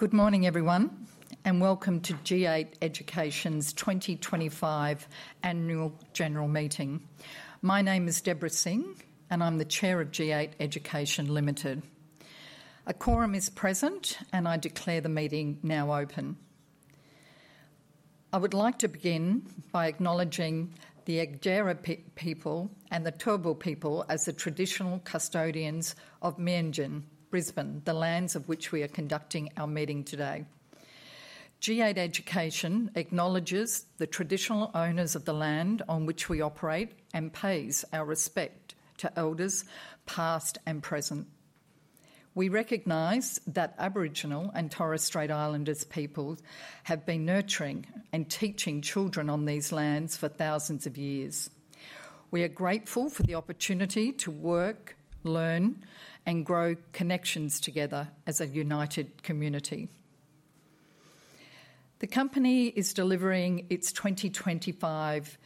Good morning, everyone, and welcome to G8 Education's 2025 annual general meeting. My name is Debra Singh, and I'm the Chair of G8 Education Limited. A quorum is present, and I declare the meeting now open. I would like to begin by acknowledging the Jagera people and the Turrbal people as the traditional custodians of Meanjin, Brisbane, the lands of which we are conducting our meeting today. G8 Education acknowledges the traditional owners of the land on which we operate and pays our respect to elders past and present. We recognize that Aboriginal and Torres Strait Islander peoples have been nurturing and teaching children on these lands for thousands of years. We are grateful for the opportunity to work, learn, and grow connections together as a united community. The company is delivering its 2025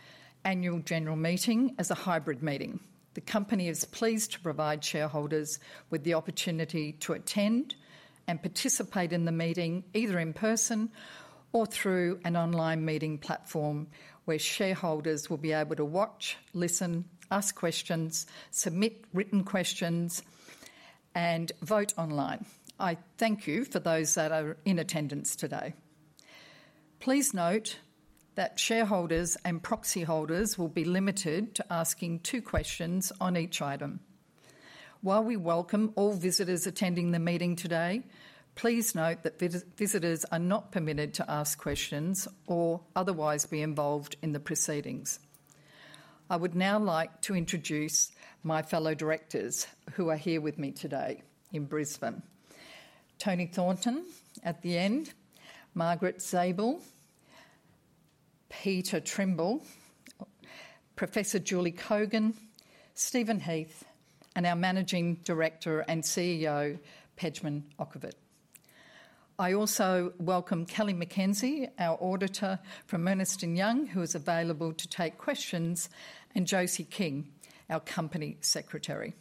annual general meeting as a hybrid meeting. The company is pleased to provide shareholders with the opportunity to attend and participate in the meeting either in person or through an online meeting platform where shareholders will be able to watch, listen, ask questions, submit written questions, and vote online. I thank you for those that are in attendance today. Please note that shareholders and proxy holders will be limited to asking two questions on each item. While we welcome all visitors attending the meeting today, please note that visitors are not permitted to ask questions or otherwise be involved in the proceedings. I would now like to introduce my fellow directors who are here with me today in Brisbane: Toni Thornton at the end, Margaret Zabel, Peter Trimble, Professor Julie Cogin, Stephen Heath, and our Managing Director and CEO, Pejman Okhovat. I also welcome Kelly McKenzie, our auditor from Ernst & Young, who is available to take questions, and Josie King, our Company Secretary.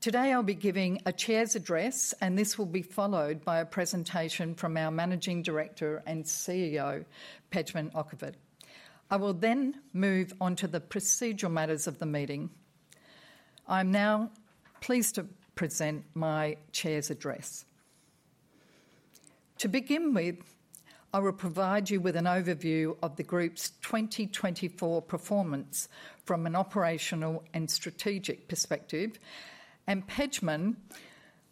Today, I'll be giving a Chair's address, and this will be followed by a presentation from our Managing Director and CEO, Pejman Okhovat. I will then move on to the procedural matters of the meeting. I'm now pleased to present my Chair's address. To begin with, I will provide you with an overview of the group's 2024 performance from an operational and strategic perspective, and Pejman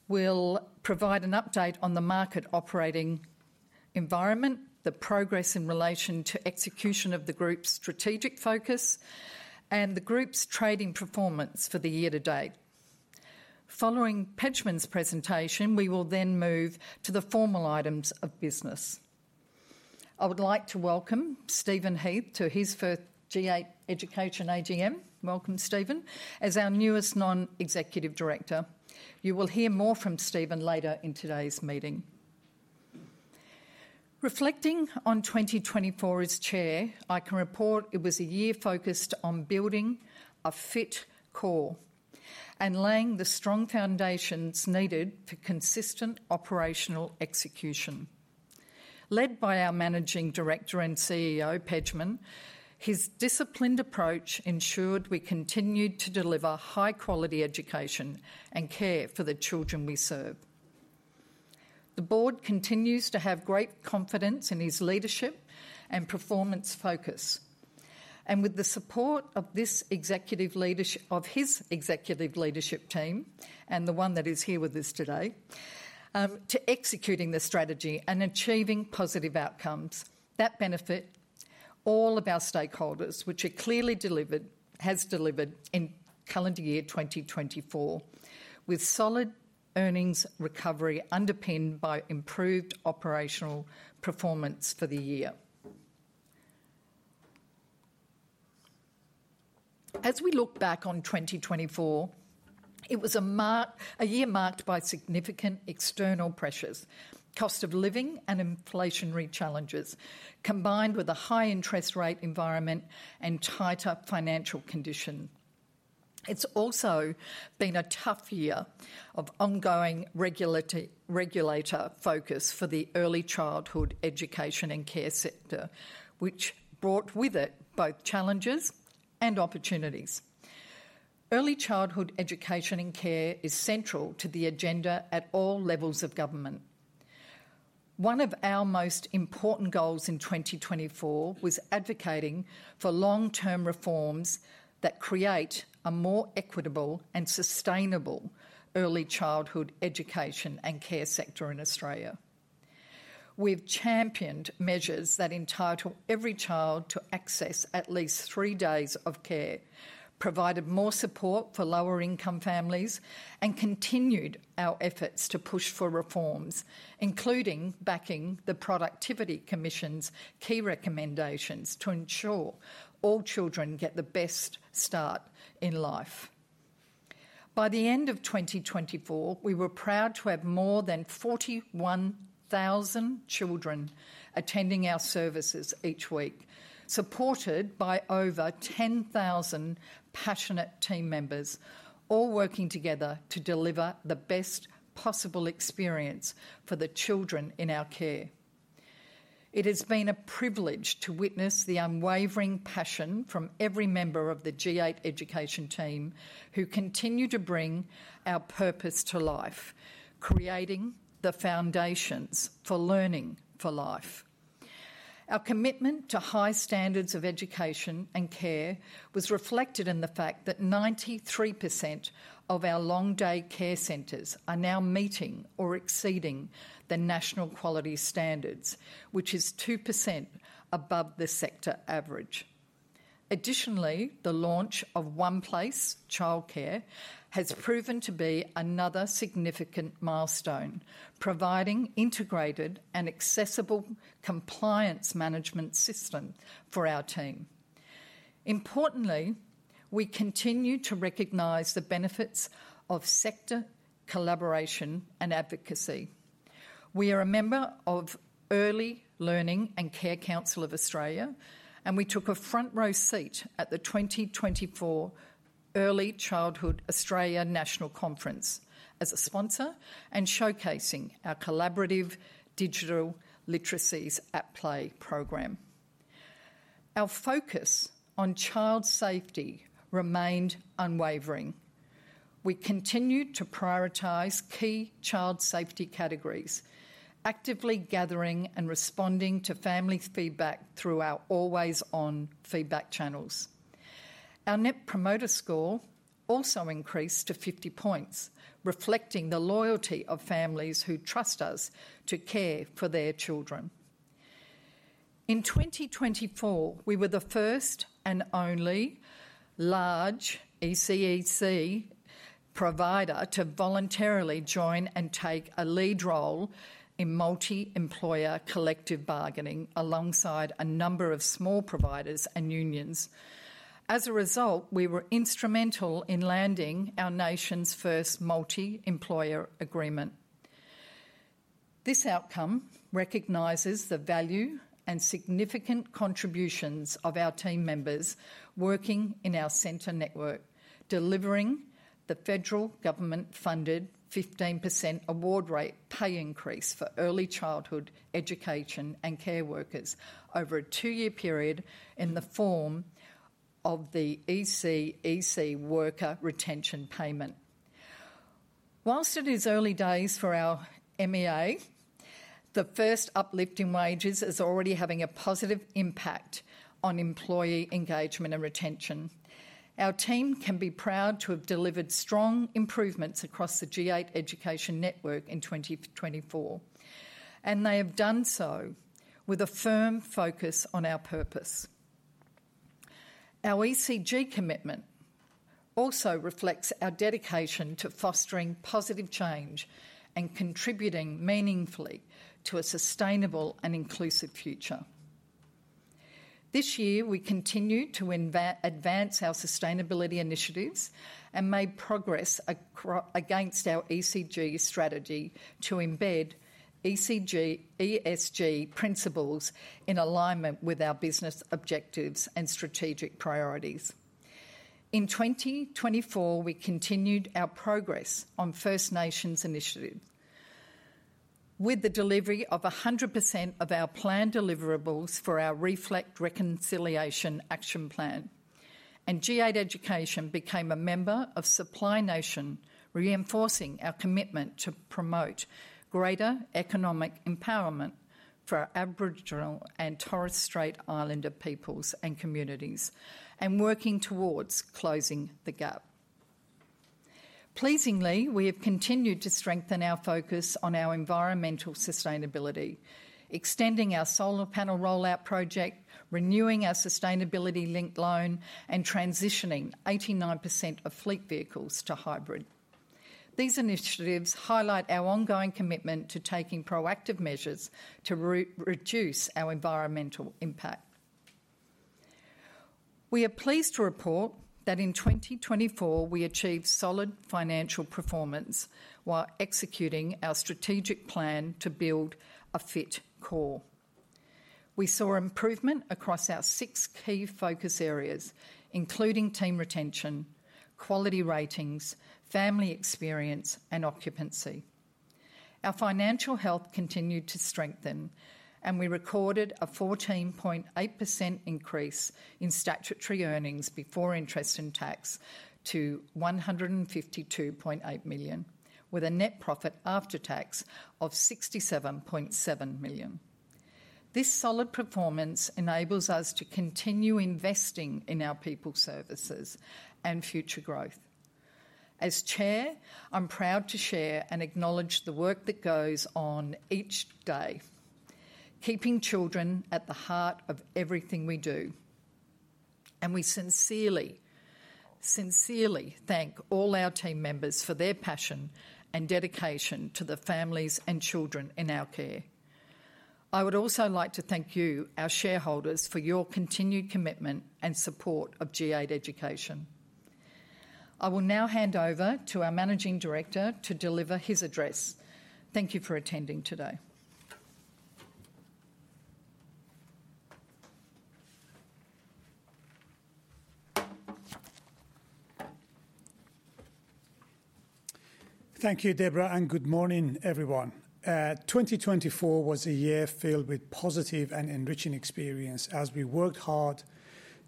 will provide an update on the market operating environment, the progress in relation to execution of the group's strategic focus, and the group's trading performance for the year to date. Following Pejman's presentation, we will then move to the formal items of business. I would like to welcome Stephen Heath to his first G8 Education AGM. Welcome, Stephen, as our newest non-executive director. You will hear more from Stephen later in today's meeting. Reflecting on 2024 as Chair, I can report it was a year focused on building a fit core and laying the strong foundations needed for consistent operational execution. Led by our Managing Director and CEO, Pejman, his disciplined approach ensured we continued to deliver high-quality education and care for the children we serve. The Board continues to have great confidence in his leadership and performance focus, and with the support of his executive leadership team and the one that is here with us today, to executing the strategy and achieving positive outcomes that benefit all of our stakeholders, which are clearly delivered has delivered in calendar year 2024, with solid earnings recovery underpinned by improved operational performance for the year. As we look back on 2024, it was a year marked by significant external pressures, cost of living, and inflationary challenges, combined with a high interest rate environment and tighter financial conditions. It's also been a tough year of ongoing regulator focus for the early childhood education and care sector, which brought with it both challenges and opportunities. Early childhood education and care is central to the agenda at all levels of government. One of our most important goals in 2024 was advocating for long-term reforms that create a more equitable and sustainable early childhood education and care sector in Australia. We've championed measures that entitle every child to access at least three days of care, provided more support for lower-income families, and continued our efforts to push for reforms, including backing the Productivity Commission's key recommendations to ensure all children get the best start in life. By the end of 2024, we were proud to have more than 41,000 children attending our services each week, supported by over 10,000 passionate team members, all working together to deliver the best possible experience for the children in our care. It has been a privilege to witness the unwavering passion from every member of the G8 Education team who continue to bring our purpose to life, creating the foundations for learning for life. Our commitment to high standards of education and care was reflected in the fact that 93% of our long-day care centers are now meeting or exceeding the National Quality Standard, which is 2% above the sector average. Additionally, the launch of OnePlace Childcare has proven to be another significant milestone, providing integrated and accessible compliance management systems for our team. Importantly, we continue to recognize the benefits of sector collaboration and advocacy. We are a member of Early Learning and Care Council of Australia, and we took a front-row seat at the 2024 Early Childhood Australia National Conference as a sponsor and showcasing our collaborative Digital Literacies at Play program. Our focus on child safety remained unwavering. We continued to prioritize key child safety categories, actively gathering and responding to family feedback through our Always On feedback channels. Our Net Promoter Score also increased to 50 points, reflecting the loyalty of families who trust us to care for their children. In 2024, we were the first and only large ECEC provider to voluntarily join and take a lead role in multi-employer collective bargaining alongside a number of small providers and unions. As a result, we were instrumental in landing our nation's first Multi-Employer Agreement. This outcome recognizes the value and significant contributions of our team members working in our center network, delivering the federal government-funded 15% award rate pay increase for early childhood education and care workers over a two-year period in the form of the ECEC worker retention payment. Whilst it is early days for our MEA, the first uplift in wages is already having a positive impact on employee engagement and retention. Our team can be proud to have delivered strong improvements across the G8 Education network in 2024, and they have done so with a firm focus on our purpose. Our ESG commitment also reflects our dedication to fostering positive change and contributing meaningfully to a sustainable and inclusive future. This year, we continue to advance our sustainability initiatives and made progress against our ESG strategy to embed ESG principles in alignment with our business objectives and strategic priorities. In 2024, we continued our progress on First Nations initiatives with the delivery of 100% of our planned deliverables for our Reflect Reconciliation Action Plan, and G8 Education became a member of Supply Nation, reinforcing our commitment to promote greater economic empowerment for Aboriginal and Torres Strait Islander peoples and communities and working towards closing the gap. Pleasingly, we have continued to strengthen our focus on our environmental sustainability, extending our solar panel rollout project, renewing our sustainability-linked loan, and transitioning 89% of fleet vehicles to hybrid. These initiatives highlight our ongoing commitment to taking proactive measures to reduce our environmental impact. We are pleased to report that in 2024, we achieved solid financial performance while executing our strategic plan to build a fit core. We saw improvement across our six key focus areas, including team retention, quality ratings, family experience, and occupancy. Our financial health continued to strengthen, and we recorded a 14.8% increase in statutory earnings before interest and tax to 152.8 million, with a net profit after tax of 67.7 million. This solid performance enables us to continue investing in our people's services and future growth. As Chair, I'm proud to share and acknowledge the work that goes on each day, keeping children at the heart of everything we do. We sincerely, sincerely thank all our team members for their passion and dedication to the families and children in our care. I would also like to thank you, our shareholders, for your continued commitment and support of G8 Education. I will now hand over to our Managing Director to deliver his address. Thank you for attending today. Thank you, Debra, and good morning, everyone. 2024 was a year filled with positive and enriching experience as we worked hard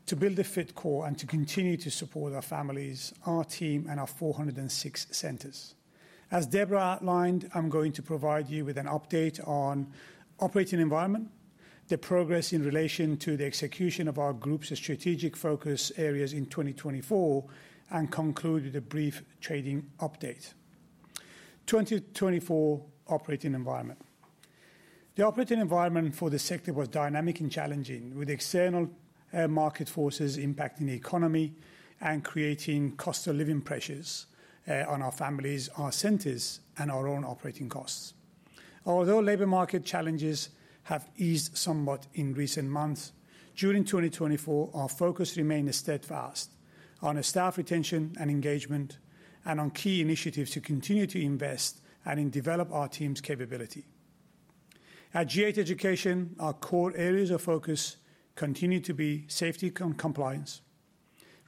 to build a fit core and to continue to support our families, our team, and our 406 centers. As Debra outlined, I'm going to provide you with an update on operating environment, the progress in relation to the execution of our group's strategic focus areas in 2024, and conclude with a brief trading update. 2024 operating environment. The operating environment for the sector was dynamic and challenging, with external market forces impacting the economy and creating cost of living pressures on our families, our centers, and our own operating costs. Although labor market challenges have eased somewhat in recent months, during 2024, our focus remained steadfast on staff retention and engagement and on key initiatives to continue to invest and develop our team's capability. At G8 Education, our core areas of focus continue to be safety and compliance,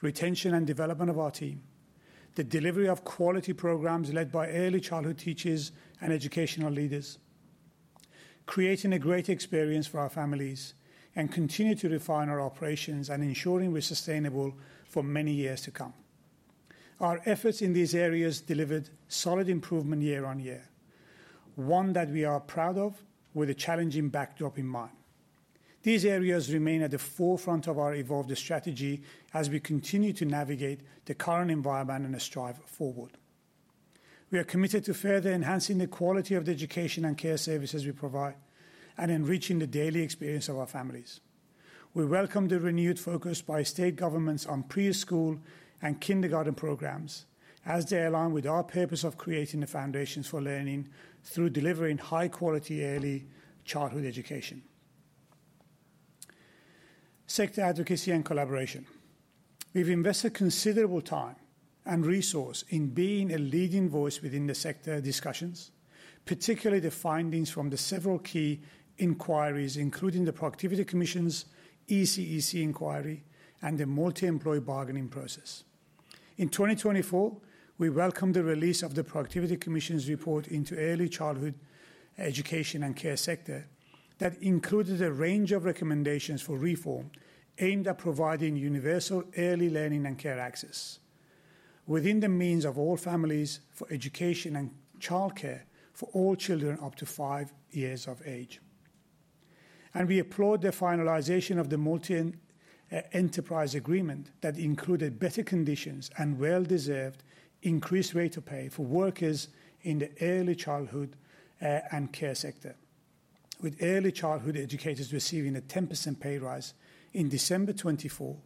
retention and development of our team, the delivery of quality programs led by early childhood teachers and educational leaders, creating a great experience for our families, and continuing to refine our operations and ensuring we're sustainable for many years to come. Our efforts in these areas delivered solid improvement year on year, one that we are proud of with a challenging backdrop in mind. These areas remain at the forefront of our evolved strategy as we continue to navigate the current environment and strive forward. We are committed to further enhancing the quality of the education and care services we provide and enriching the daily experience of our families. We welcome the renewed focus by state governments on preschool and kindergarten programs as they align with our purpose of creating the foundations for learning through delivering high-quality early childhood education. Sector advocacy and collaboration. We've invested considerable time and resources in being a leading voice within the sector discussions, particularly the findings from several key inquiries, including the Productivity Commission's ECEC inquiry and the multi-employer bargaining process. In 2024, we welcomed the release of the Productivity Commission's report into early childhood education and care sector that included a range of recommendations for reform aimed at providing universal early learning and care access within the means of all families for education and childcare for all children up to five years of age. We applaud the finalization of the multi-enterprise agreement that included better conditions and well-deserved increased rate of pay for workers in the early childhood and care sector, with early childhood educators receiving a 10% pay rise in December 2024,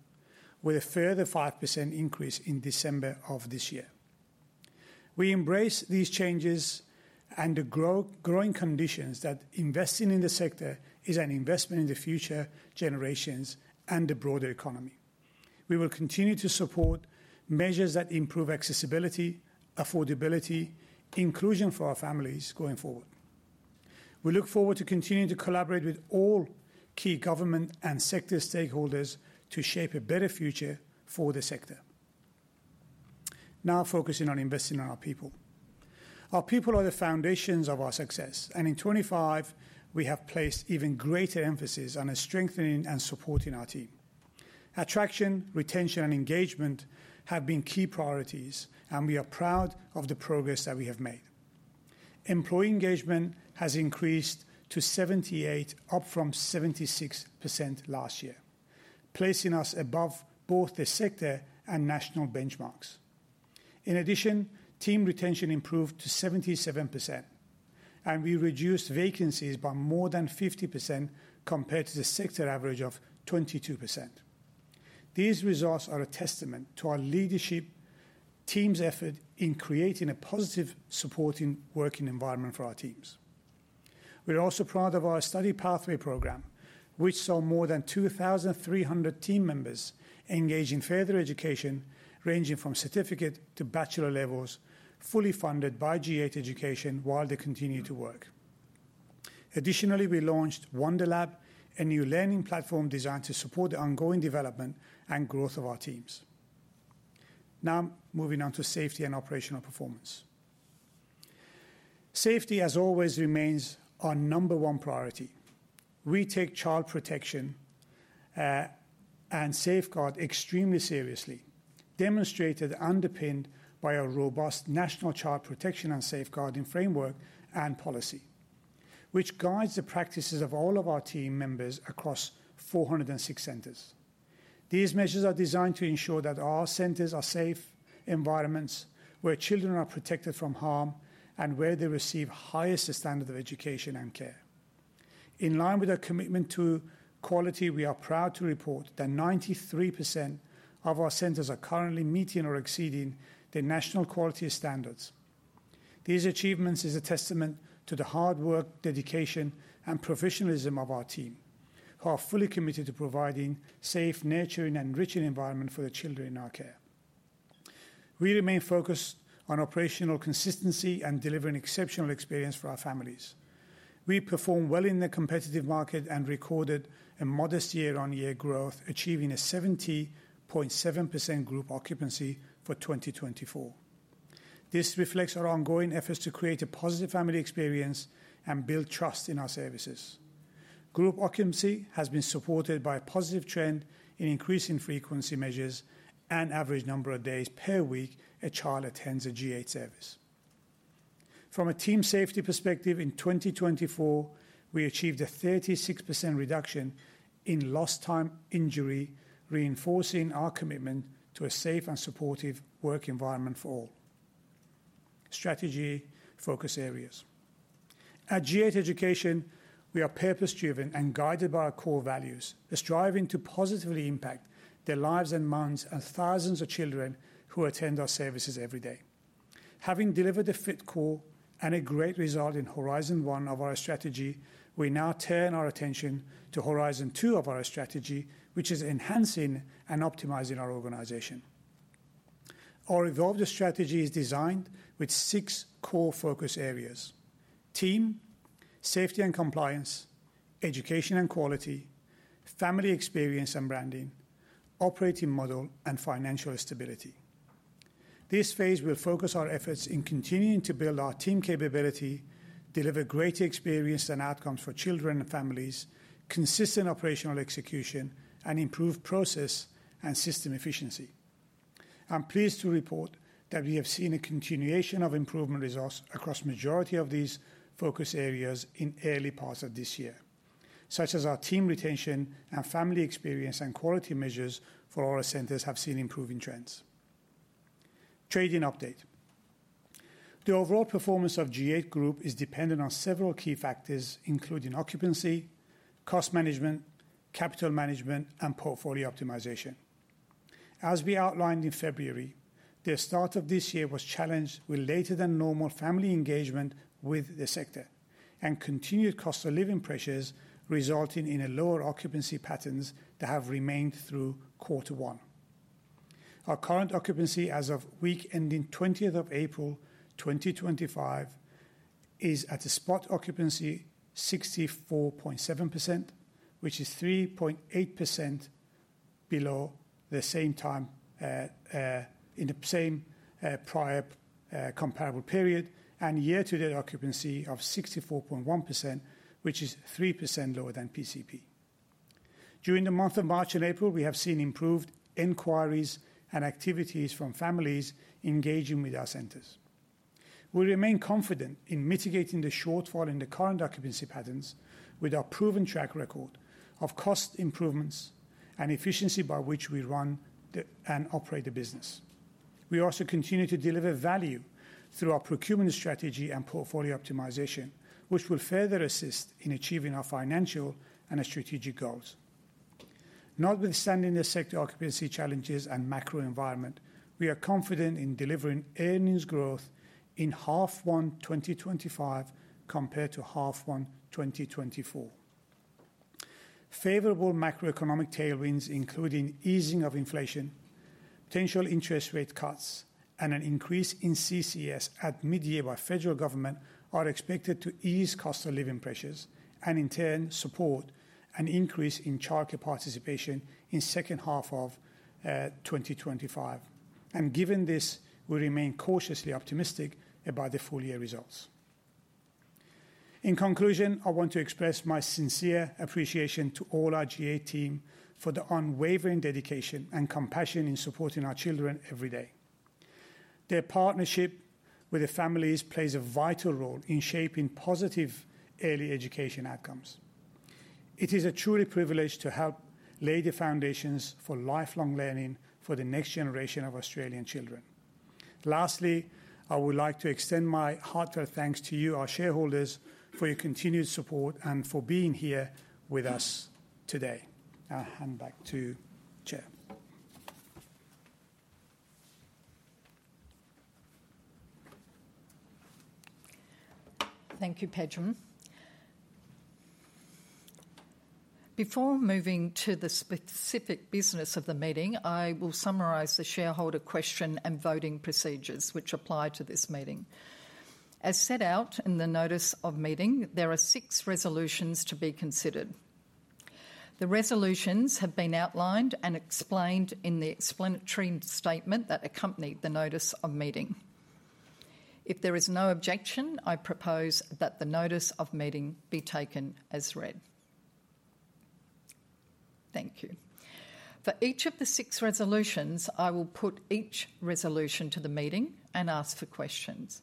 with a further 5% increase in December of this year. We embrace these changes and the growing conditions that investing in the sector is an investment in the future generations and the broader economy. We will continue to support measures that improve accessibility, affordability, and inclusion for our families going forward. We look forward to continuing to collaborate with all key government and sector stakeholders to shape a better future for the sector. Now focusing on investing in our people. Our people are the foundations of our success, and in 2025, we have placed even greater emphasis on strengthening and supporting our team. Attraction, retention, and engagement have been key priorities, and we are proud of the progress that we have made. Employee engagement has increased to 78%, up from 76% last year, placing us above both the sector and national benchmarks. In addition, team retention improved to 77%, and we reduced vacancies by more than 50% compared to the sector average of 22%. These results are a testament to our leadership team's effort in creating a positive supporting working environment for our teams. We're also proud of our study pathway program, which saw more than 2,300 team members engage in further education, ranging from certificate to bachelor levels, fully funded by G8 Education while they continue to work. Additionally, we launched WonderLab, a new learning platform designed to support the ongoing development and growth of our teams. Now moving on to safety and operational performance. Safety, as always, remains our number one priority. We take child protection and safeguard extremely seriously, demonstrated and underpinned by our robust national child protection and safeguarding framework and policy, which guides the practices of all of our team members across 406 centers. These measures are designed to ensure that our centers are safe environments where children are protected from harm and where they receive the highest standard of education and care. In line with our commitment to quality, we are proud to report that 93% of our centers are currently meeting or exceeding the national quality standards. These achievements are a testament to the hard work, dedication, and professionalism of our team, who are fully committed to providing a safe, nurturing, and enriching environment for the children in our care. We remain focused on operational consistency and delivering exceptional experience for our families. We perform well in the competitive market and recorded a modest year-on-year growth, achieving a 70.7% group occupancy for 2024. This reflects our ongoing efforts to create a positive family experience and build trust in our services. Group occupancy has been supported by a positive trend in increasing frequency measures and average number of days per week a child attends a G8 service. From a team safety perspective, in 2024, we achieved a 36% reduction in lost-time injury, reinforcing our commitment to a safe and supportive work environment for all. Strategy focus areas. At G8 Education, we are purpose-driven and guided by our core values, striving to positively impact the lives and minds of thousands of children who attend our services every day. Having delivered a fit core and a great result in Horizon One of our strategy, we now turn our attention to Horizon Two of our strategy, which is enhancing and optimizing our organization. Our evolved strategy is designed with six core focus areas: team, safety and compliance, education and quality, family experience and branding, operating model, and financial stability. This phase will focus our efforts in continuing to build our team capability, deliver greater experience and outcomes for children and families, consistent operational execution, and improve process and system efficiency. I'm pleased to report that we have seen a continuation of improvement results across the majority of these focus areas in early parts of this year, such as our team retention and family experience and quality measures for all our centers have seen improving trends. Trading update. The overall performance of G8 Group is dependent on several key factors, including occupancy, cost management, capital management, and portfolio optimization. As we outlined in February, the start of this year was challenged with later-than-normal family engagement with the sector and continued cost of living pressures, resulting in lower occupancy patterns that have remained through Quarter One. Our current occupancy, as of week ending 20th of April 2025, is at a spot occupancy of 64.7%, which is 3.8% below the same time in the same prior comparable period, and year-to-date occupancy of 64.1%, which is 3% lower than PCP. During the month of March and April, we have seen improved inquiries and activities from families engaging with our centers. We remain confident in mitigating the shortfall in the current occupancy patterns with our proven track record of cost improvements and efficiency by which we run and operate the business. We also continue to deliver value through our procurement strategy and portfolio optimization, which will further assist in achieving our financial and strategic goals. Notwithstanding the sector occupancy challenges and macro environment, we are confident in delivering earnings growth in Half One 2025 compared to Half One 2024. Favorable macroeconomic tailwinds, including easing of inflation, potential interest rate cuts, and an increase in CCS at mid-year by the federal government, are expected to ease cost of living pressures and, in turn, support an increase in childcare participation in the second half of 2025. Given this, we remain cautiously optimistic about the full-year results. In conclusion, I want to express my sincere appreciation to all our G8 team for the unwavering dedication and compassion in supporting our children every day. Their partnership with the families plays a vital role in shaping positive early education outcomes. It is a true privilege to help lay the foundations for lifelong learning for the next generation of Australian children. Lastly, I would like to extend my heartfelt thanks to you, our shareholders, for your continued support and for being here with us today. I'll hand back to Chair. Thank you, Pejman. Before moving to the specific business of the meeting, I will summarize the shareholder question and voting procedures which apply to this meeting. As set out in the notice of meeting, there are six resolutions to be considered. The resolutions have been outlined and explained in the explanatory statement that accompanied the notice of meeting. If there is no objection, I propose that the notice of meeting be taken as read. Thank you. For each of the six resolutions, I will put each resolution to the meeting and ask for questions.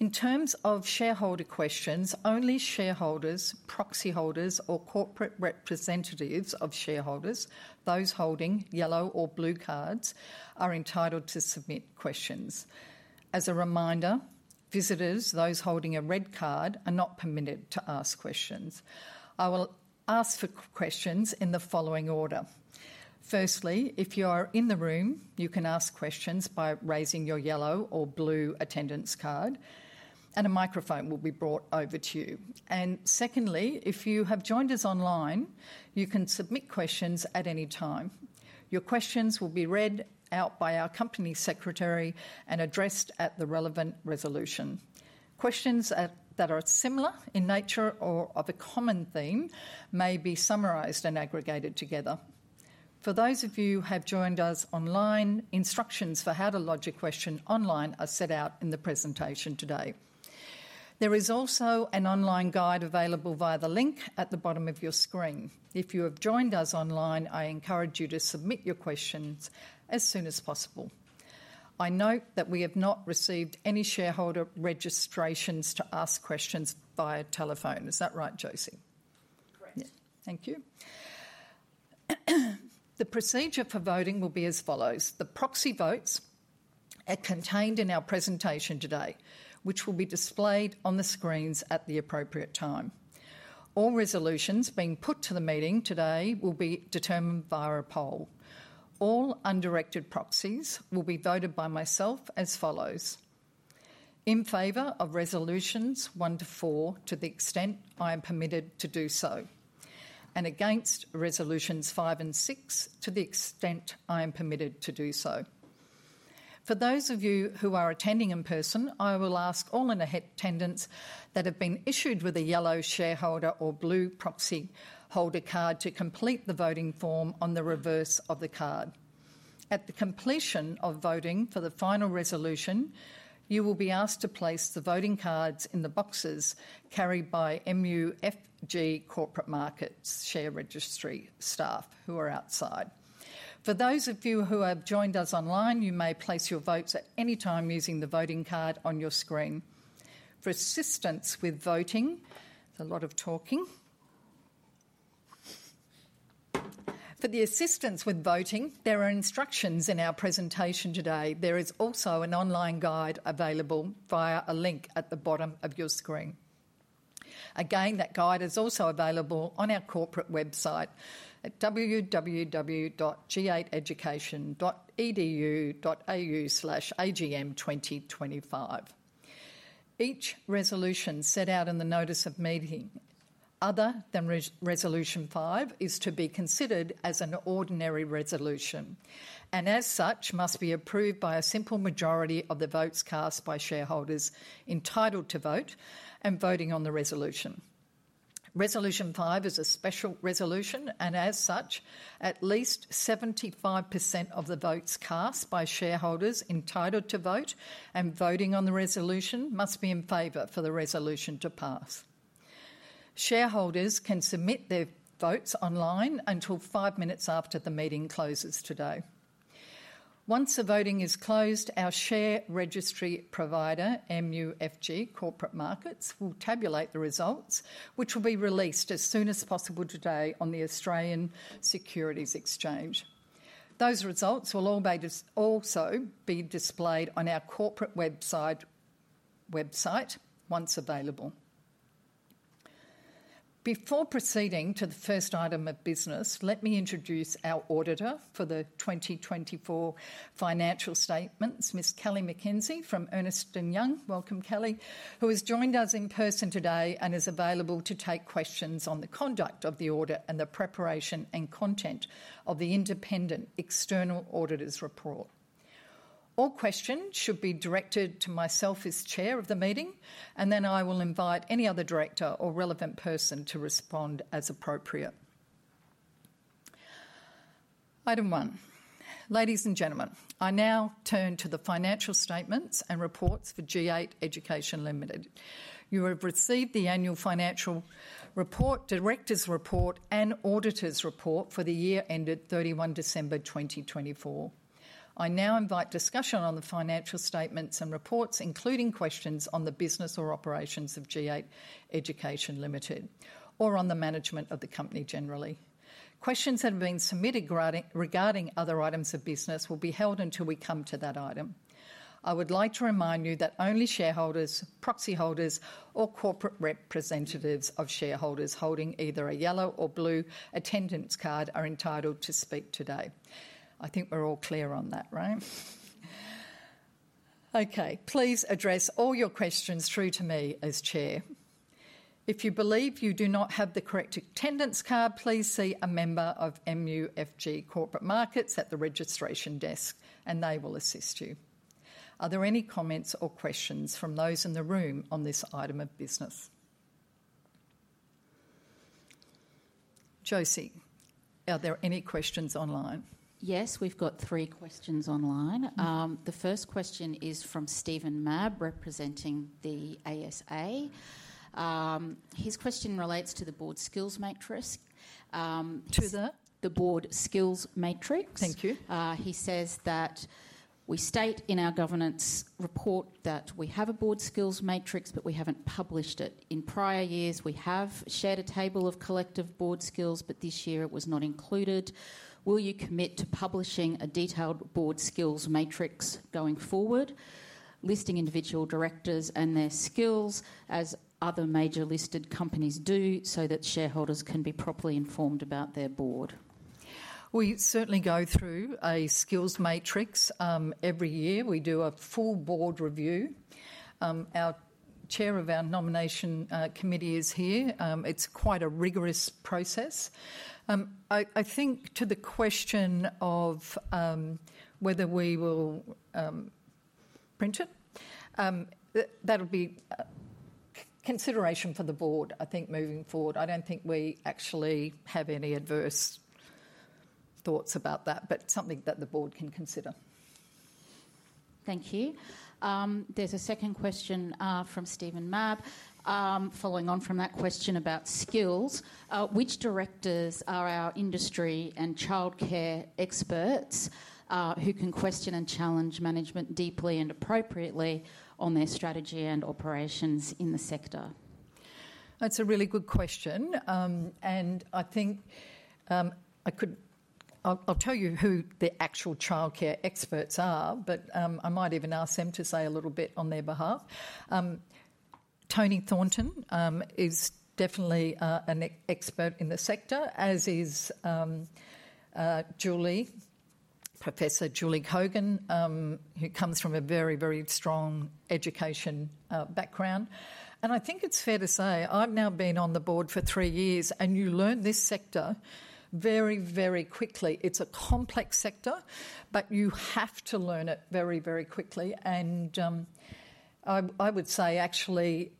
In terms of shareholder questions, only shareholders, proxy holders, or corporate representatives of shareholders, those holding yellow or blue cards, are entitled to submit questions. As a reminder, visitors, those holding a red card, are not permitted to ask questions. I will ask for questions in the following order. Firstly, if you are in the room, you can ask questions by raising your yellow or blue attendance card, and a microphone will be brought over to you. Secondly, if you have joined us online, you can submit questions at any time. Your questions will be read out by our company secretary and addressed at the relevant resolution. Questions that are similar in nature or of a common theme may be summarized and aggregated together. For those of you who have joined us online, instructions for how to lodge a question online are set out in the presentation today. There is also an online guide available via the link at the bottom of your screen. If you have joined us online, I encourage you to submit your questions as soon as possible. I note that we have not received any shareholder registrations to ask questions via telephone. Is that right, Josie? Correct. Thank you. The procedure for voting will be as follows. The proxy votes are contained in our presentation today, which will be displayed on the screens at the appropriate time. All resolutions being put to the meeting today will be determined via a poll. All undirected proxies will be voted by myself as follows: in favor of resolutions one to four to the extent I am permitted to do so, and against resolutions five and six to the extent I am permitted to do so. For those of you who are attending in person, I will ask all in attendance that have been issued with a yellow shareholder or blue proxy holder card to complete the voting form on the reverse of the card. At the completion of voting for the final resolution, you will be asked to place the voting cards in the boxes carried by MUFG Corporate Markets share registry staff who are outside. For those of you who have joined us online, you may place your votes at any time using the voting card on your screen. For assistance with voting, there is a lot of talking. For the assistance with voting, there are instructions in our presentation today. There is also an online guide available via a link at the bottom of your screen. Again, that guide is also available on our corporate website at www.g8education.edu.au/agm2025. Each resolution set out in the notice of meeting, other than resolution five, is to be considered as an ordinary resolution and, as such, must be approved by a simple majority of the votes cast by shareholders entitled to vote and voting on the resolution. Resolution five is a special resolution, and as such, at least 75% of the votes cast by shareholders entitled to vote and voting on the resolution must be in favor for the resolution to pass. Shareholders can submit their votes online until five minutes after the meeting closes today. Once the voting is closed, our share registry provider, MUFG Corporate Markets, will tabulate the results, which will be released as soon as possible today on the Australian Securities Exchange. Those results will also be displayed on our corporate website once available. Before proceeding to the first item of business, let me introduce our auditor for the 2024 financial statements, Ms. Kelly McKenzie from Ernst & Young. Welcome, Kelly, who has joined us in person today and is available to take questions on the conduct of the audit and the preparation and content of the independent external auditor's report. All questions should be directed to myself as Chair of the meeting, and then I will invite any other director or relevant person to respond as appropriate. Item one. Ladies and gentlemen, I now turn to the financial statements and reports for G8 Education Limited. You have received the annual financial report, director's report, and auditor's report for the year ended 31 December 2024. I now invite discussion on the financial statements and reports, including questions on the business or operations of G8 Education Limited or on the management of the company generally. Questions that have been submitted regarding other items of business will be held until we come to that item. I would like to remind you that only shareholders, proxy holders, or corporate representatives of shareholders holding either a yellow or blue attendance card are entitled to speak today. I think we're all clear on that, right? Okay. Please address all your questions through to me as Chair. If you believe you do not have the correct attendance card, please see a member of MUFG Corporate Markets at the registration desk, and they will assist you. Are there any comments or questions from those in the room on this item of business? Josie, are there any questions online? Yes, we've got three questions online. The first question is from Stephen Mayne, representing the ASA. His question relates to the board skills matrix. To the The Board skills matrix. Thank you. He says that we state in our governance report that we have a board skills matrix, but we haven't published it. In prior years, we have shared a table of collective board skills, but this year it was not included. Will you commit to publishing a detailed board skills matrix going forward, listing individual directors and their skills as other major listed companies do, so that shareholders can be properly informed about their board? We certainly go through a skills matrix every year. We do a full board review. Our Chair of our Nomination Committee is here. It's quite a rigorous process. I think to the question of whether we will print it, that would be consideration for the board, I think, moving forward. I don't think we actually have any adverse thoughts about that, but something that the board can consider. Thank you. There's a second question from Stephen Mayne following on from that question about skills. Which directors are our industry and childcare experts who can question and challenge management deeply and appropriately on their strategy and operations in the sector? That's a really good question. I think I could, I'll tell you who the actual childcare experts are, but I might even ask them to say a little bit on their behalf. Toni Thornton is definitely an expert in the sector, as is Julie, Professor Julie Cogin, who comes from a very, very strong education background. I think it's fair to say I've now been on the board for three years, and you learn this sector very, very quickly. It's a complex sector, but you have to learn it very, very quickly. I would say, actually,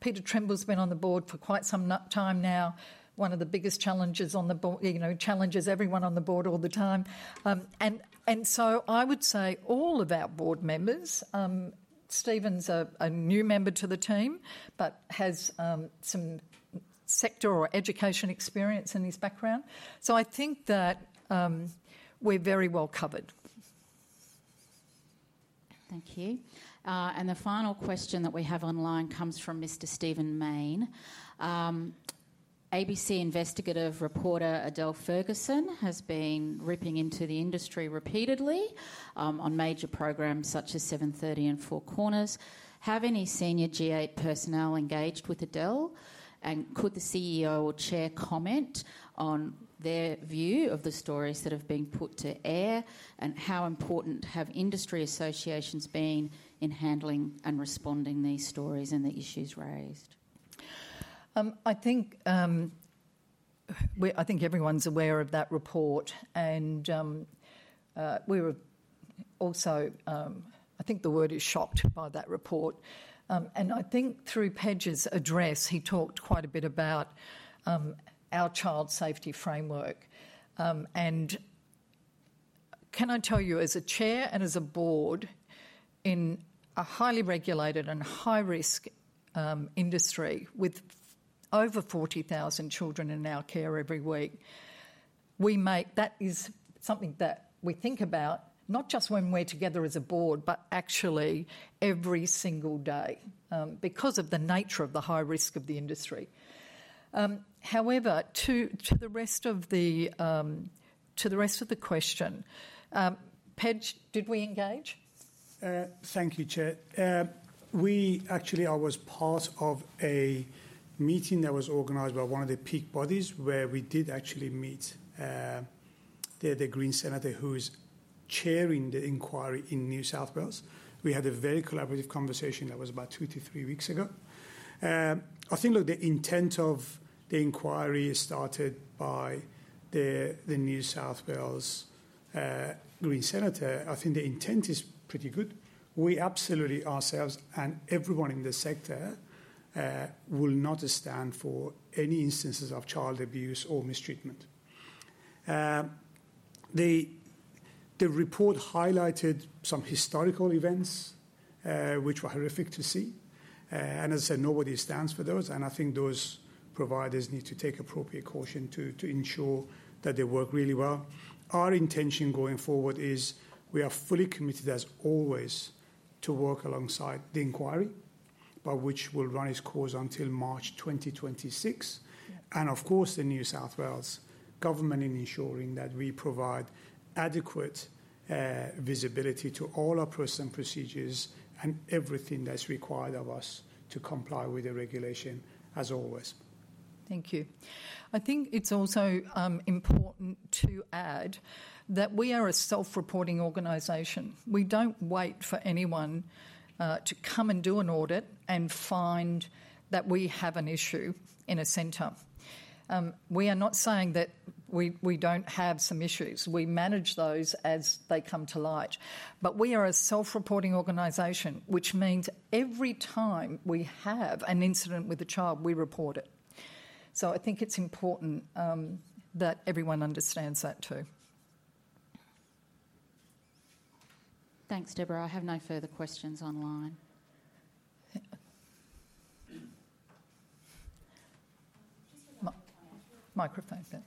Peter Trimble's been on the board for quite some time now. One of the biggest challenges on the board, you know, challenges everyone on the board all the time. I would say all of our board members, Stephen's a new member to the team, but has some sector or education experience in his background. I think that we're very well covered. Thank you. The final question that we have online comes from Mr. Stephen Mayne. ABC investigative reporter Adele Ferguson has been ripping into the industry repeatedly on major programs such as 730 and Four Corners. Have any senior G8 personnel engaged with Adele? Could the CEO or chair comment on their view of the stories that have been put to air? How important have industry associations been in handling and responding to these stories and the issues raised? I think everyone's aware of that report. We were also, I think the word is shocked by that report. I think through Pej's address, he talked quite a bit about our child safety framework. Can I tell you, as a Chair and as a board in a highly regulated and high-risk industry with over 40,000 children in our care every week, that is something that we think about not just when we're together as a board, but actually every single day because of the nature of the high risk of the industry. However, to the rest of the question, Pej, did we engage? Thank you, Chair. We actually, I was part of a meeting that was organized by one of the peak bodies where we did actually meet the Green Senator, who is chairing the inquiry in New South Wales. We had a very collaborative conversation that was about two to three weeks ago. I think the intent of the inquiry started by the New South Wales Green Senator. I think the intent is pretty good. We absolutely ourselves and everyone in the sector will not stand for any instances of child abuse or mistreatment. The report highlighted some historical events which were horrific to see. As I said, nobody stands for those. I think those providers need to take appropriate caution to ensure that they work really well. Our intention going forward is we are fully committed, as always, to work alongside the inquiry, by which it will run its course until March 2026. Of course, the New South Wales government in ensuring that we provide adequate visibility to all our process and procedures and everything that's required of us to comply with the regulation, as always. Thank you. I think it's also important to add that we are a self-reporting organization. We don't wait for anyone to come and do an audit and find that we have an issue in a center. We are not saying that we don't have some issues. We manage those as they come to light. We are a self-reporting organization, which means every time we have an incident with a child, we report it. I think it's important that everyone understands that too. Thanks, Debra. I have no further questions online. Microphone please.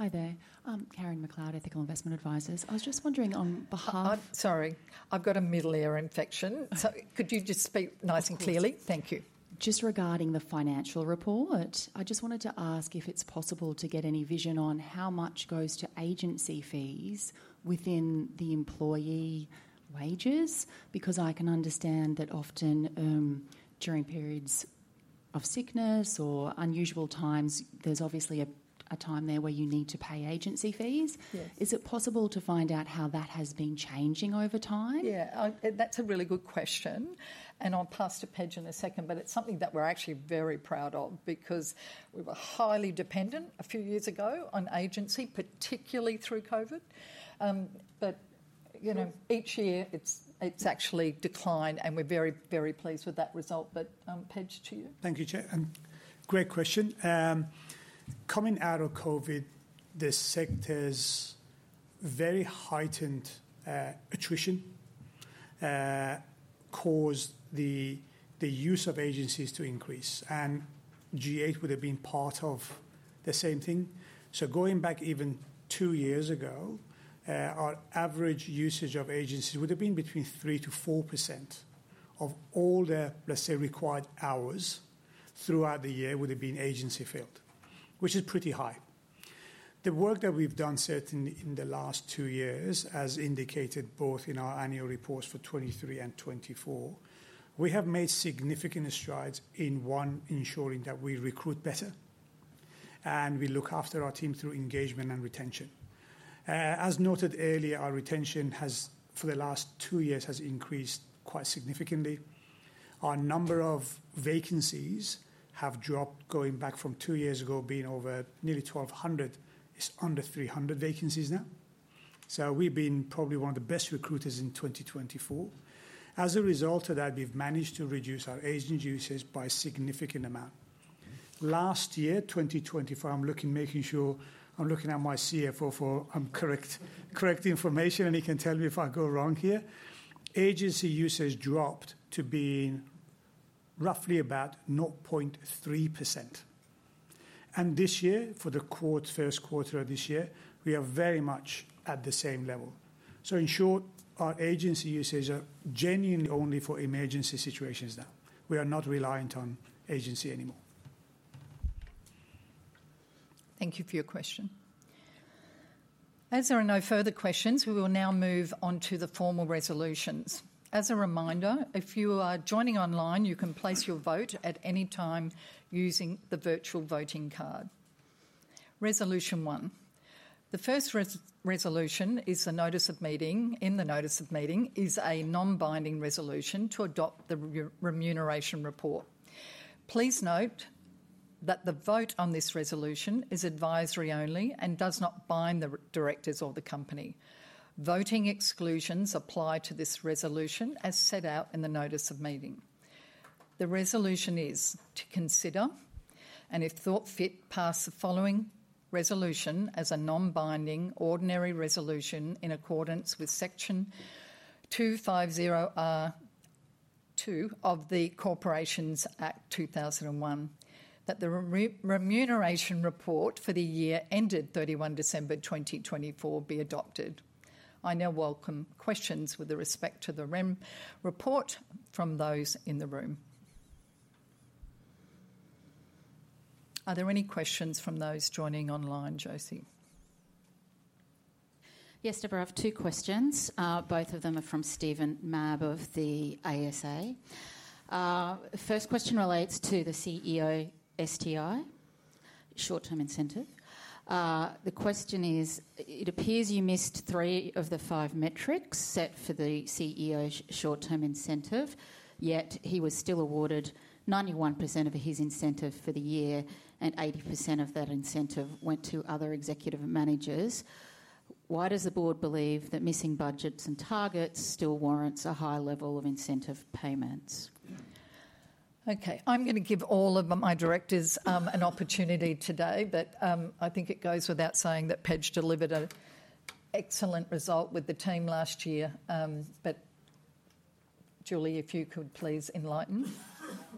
Hi there. Karen McLeod, Ethical Investment Advisers. I was just wondering on behalf Sorry. I've got a middle ear infection. Could you just speak nice and clearly? Thank you. Just regarding the financial report, I just wanted to ask if it's possible to get any vision on how much goes to agency fees within the employee wages, because I can understand that often during periods of sickness or unusual times, there's obviously a time there where you need to pay agency fees. Yes Is it possible to find out how that has been changing over time? Yeah, that's a really good question. I'll pass to Pejman in a second, but it's something that we're actually very proud of because we were highly dependent a few years ago on agency, particularly through COVID. Each year it's actually declined, and we're very, very pleased with that result. Pejman, to you. Thank you, Chair. Great question. Coming out of COVID, the sector's very heightened attrition caused the use of agencies to increase. G8 would have been part of the same thing. Going back even two years ago, our average usage of agencies would have been between 3%-4% of all the, let's say, required hours throughout the year would have been agency-filled, which is pretty high. The work that we've done, certainly in the last two years, as indicated both in our annual reports for 2023 and 2024, we have made significant strides in one, ensuring that we recruit better and we look after our team through engagement and retention. As noted earlier, our retention has for the last two years increased quite significantly. Our number of vacancies have dropped going back from two years ago, being over nearly 1,200, is under 300 vacancies now. We have been probably one of the best recruiters in 2024. As a result of that, we've managed to reduce our agency usage by a significant amount. Last year, 2024, I'm looking, making sure I'm looking at my CFO for correct information, and he can tell me if I go wrong here. Agency usage dropped to being roughly about 0.3%. This year, for the first quarter of this year, we are very much at the same level. In short, our agency usage is genuinely only for emergency situations now. We are not reliant on agency anymore. Thank you for your question. As there are no further questions, we will now move on to the formal resolutions. As a reminder, if you are joining online, you can place your vote at any time using the virtual voting card. Resolution one. The first resolution is the notice of meeting. In the notice of meeting is a non-binding resolution to adopt the remuneration report. Please note that the vote on this resolution is advisory only and does not bind the directors or the company. Voting exclusions apply to this resolution as set out in the notice of meeting. The resolution is to consider, and if thought fit, pass the following resolution as a non-binding ordinary resolution in accordance with Section 250(2) of the Corporations Act 2001, that the remuneration report for the year ended 31 December 2024 be adopted. I now welcome questions with respect to the report from those in the room. Are there any questions from those joining online, Josie? Yes, Debra, I have two questions. Both of them are from Stephen Mayne of the ASA. First question relates to the CEO STI, short-term incentive. The question is, it appears you missed three of the five metrics set for the CEO's short-term incentive, yet he was still awarded 91% of his incentive for the year and 80% of that incentive went to other executive managers. Why does the board believe that missing budgets and targets still warrants a high level of incentive payments? Okay, I'm going to give all of my directors an opportunity today, but I think it goes without saying that Pej delivered an excellent result with the team last year. Julie, if you could please enlighten.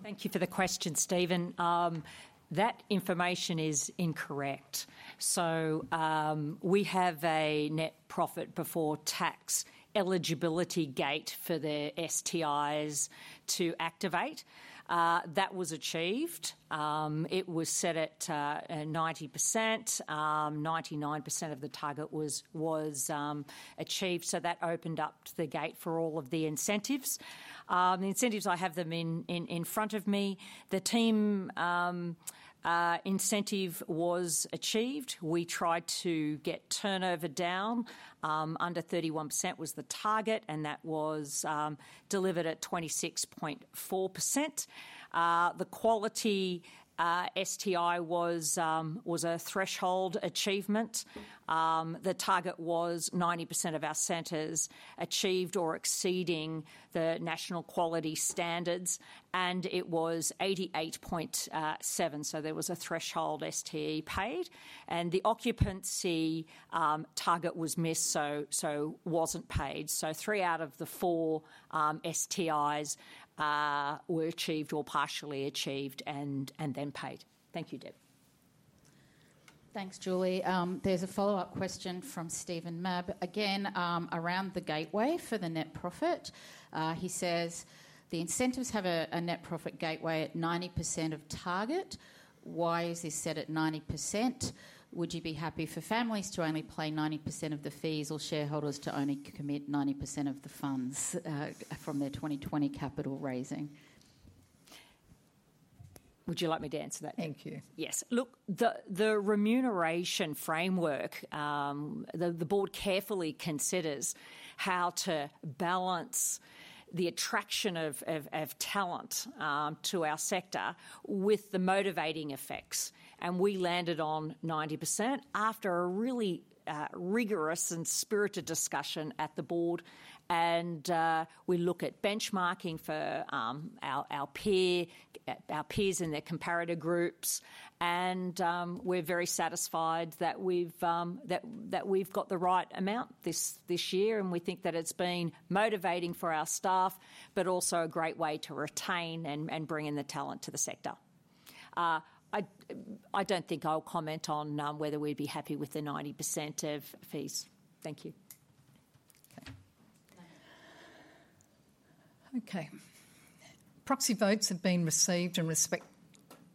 Thank you for the question, Stephen. That information is incorrect. We have a net profit before tax eligibility gate for the STIs to activate. That was achieved. It was set at 90%. 99% of the target was achieved. That opened up the gate for all of the incentives. The incentives, I have them in front of me. The team incentive was achieved. We tried to get turnover down. Under 31% was the target, and that was delivered at 26.4%. The quality STI was a threshold achievement. The target was 90% of our centers achieved or exceeding the National Quality Standard, and it was 88.7%. There was a threshold STI paid. The occupancy target was missed, so it was not paid. Three out of the four STIs were achieved or partially achieved and then paid. Thank you, Deb. Thanks, Julie. There is a follow-up question from Stephen Mayne. Again, around the gateway for the net profit, he says the incentives have a net profit gateway at 90% of target. Why is this set at 90%? Would you be happy for families to only pay 90% of the fees or shareholders to only commit 90% of the funds from their 2020 capital raising? Would you like me to answer that? Thank you. Yes. Look, the remuneration framework, the board carefully considers how to balance the attraction of talent to our sector with the motivating effects. We landed on 90% after a really rigorous and spirited discussion at the board. We look at benchmarking for our peers in their comparator groups. We are very satisfied that we have got the right amount this year. We think that it has been motivating for our staff, but also a great way to retain and bring in the talent to the sector. I do not think I will comment on whether we would be happy with the 90% of fees. Thank you. Okay, proxy votes have been received in respect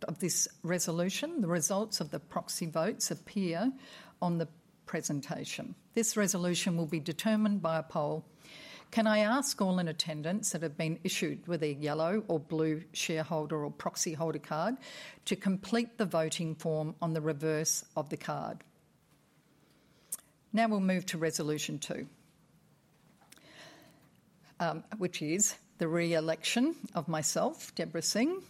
of this resolution. The results of the proxy votes appear on the presentation. This resolution will be determined by a poll. Can I ask all in attendance that have been issued with a yellow or blue shareholder or proxy holder card to complete the voting form on the reverse of the card? Now we will move to resolution two, which is the re-election of myself, Debra Singh.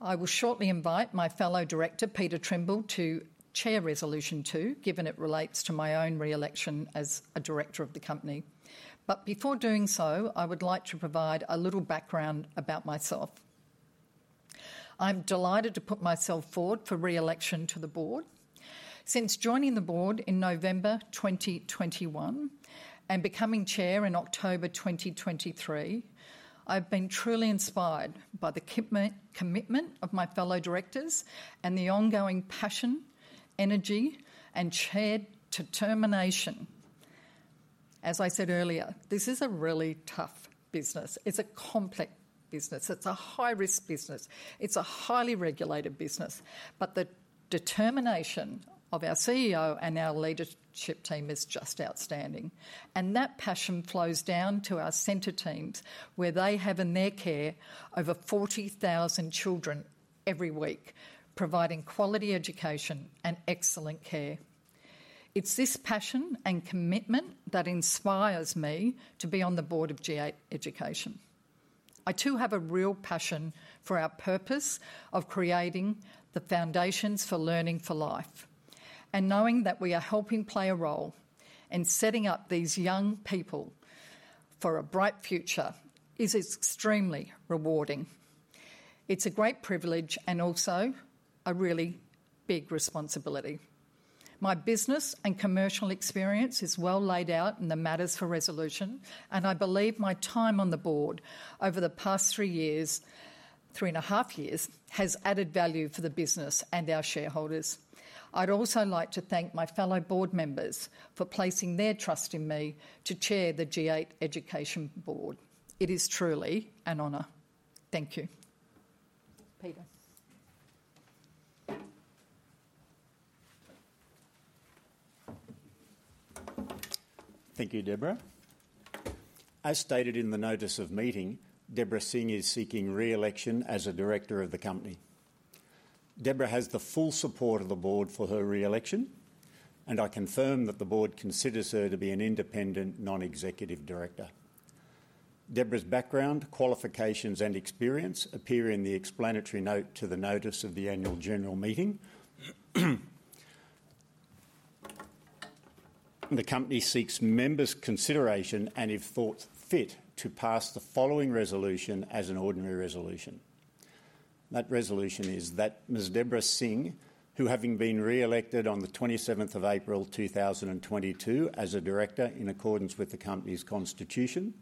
I will shortly invite my fellow director, Peter Trimble, to chair resolution two, given it relates to my own re-election as a director of the company. Before doing so, I would like to provide a little background about myself. I am delighted to put myself forward for re-election to the board. Since joining the board in November 2021 and becoming chair in October 2023, I've been truly inspired by the commitment of my fellow directors and the ongoing passion, energy, and shared determination. As I said earlier, this is a really tough business. It's a complex business. It's a high-risk business. It's a highly regulated business. The determination of our CEO and our leadership team is just outstanding. That passion flows down to our center teams, where they have in their care over 40,000 children every week, providing quality education and excellent care. It's this passion and commitment that inspires me to be on the board of G8 Education. I too have a real passion for our purpose of creating the foundations for learning for life. Knowing that we are helping play a role in setting up these young people for a bright future is extremely rewarding. It's a great privilege and also a really big responsibility. My business and commercial experience is well laid out in the matters for resolution, and I believe my time on the board over the past three years, three and a half years, has added value for the business and our shareholders. I'd also like to thank my fellow board members for placing their trust in me to chair the G8 Education Board. It is truly an honor. Thank you. Peter. Thank you, Debra. As stated in the notice of meeting, Debra Singh is seeking re-election as a director of the company. Debra has the full support of the board for her re-election, and I confirm that the board considers her to be an independent, non-executive director. Debra's background, qualifications, and experience appear in the explanatory note to the notice of the annual general meeting. The company seeks members' consideration and, if thought fit, to pass the following resolution as an ordinary resolution. That resolution is that Ms. Debra Singh, who having been re-elected on the 27 April 2022 as a director in accordance with the company's constitution,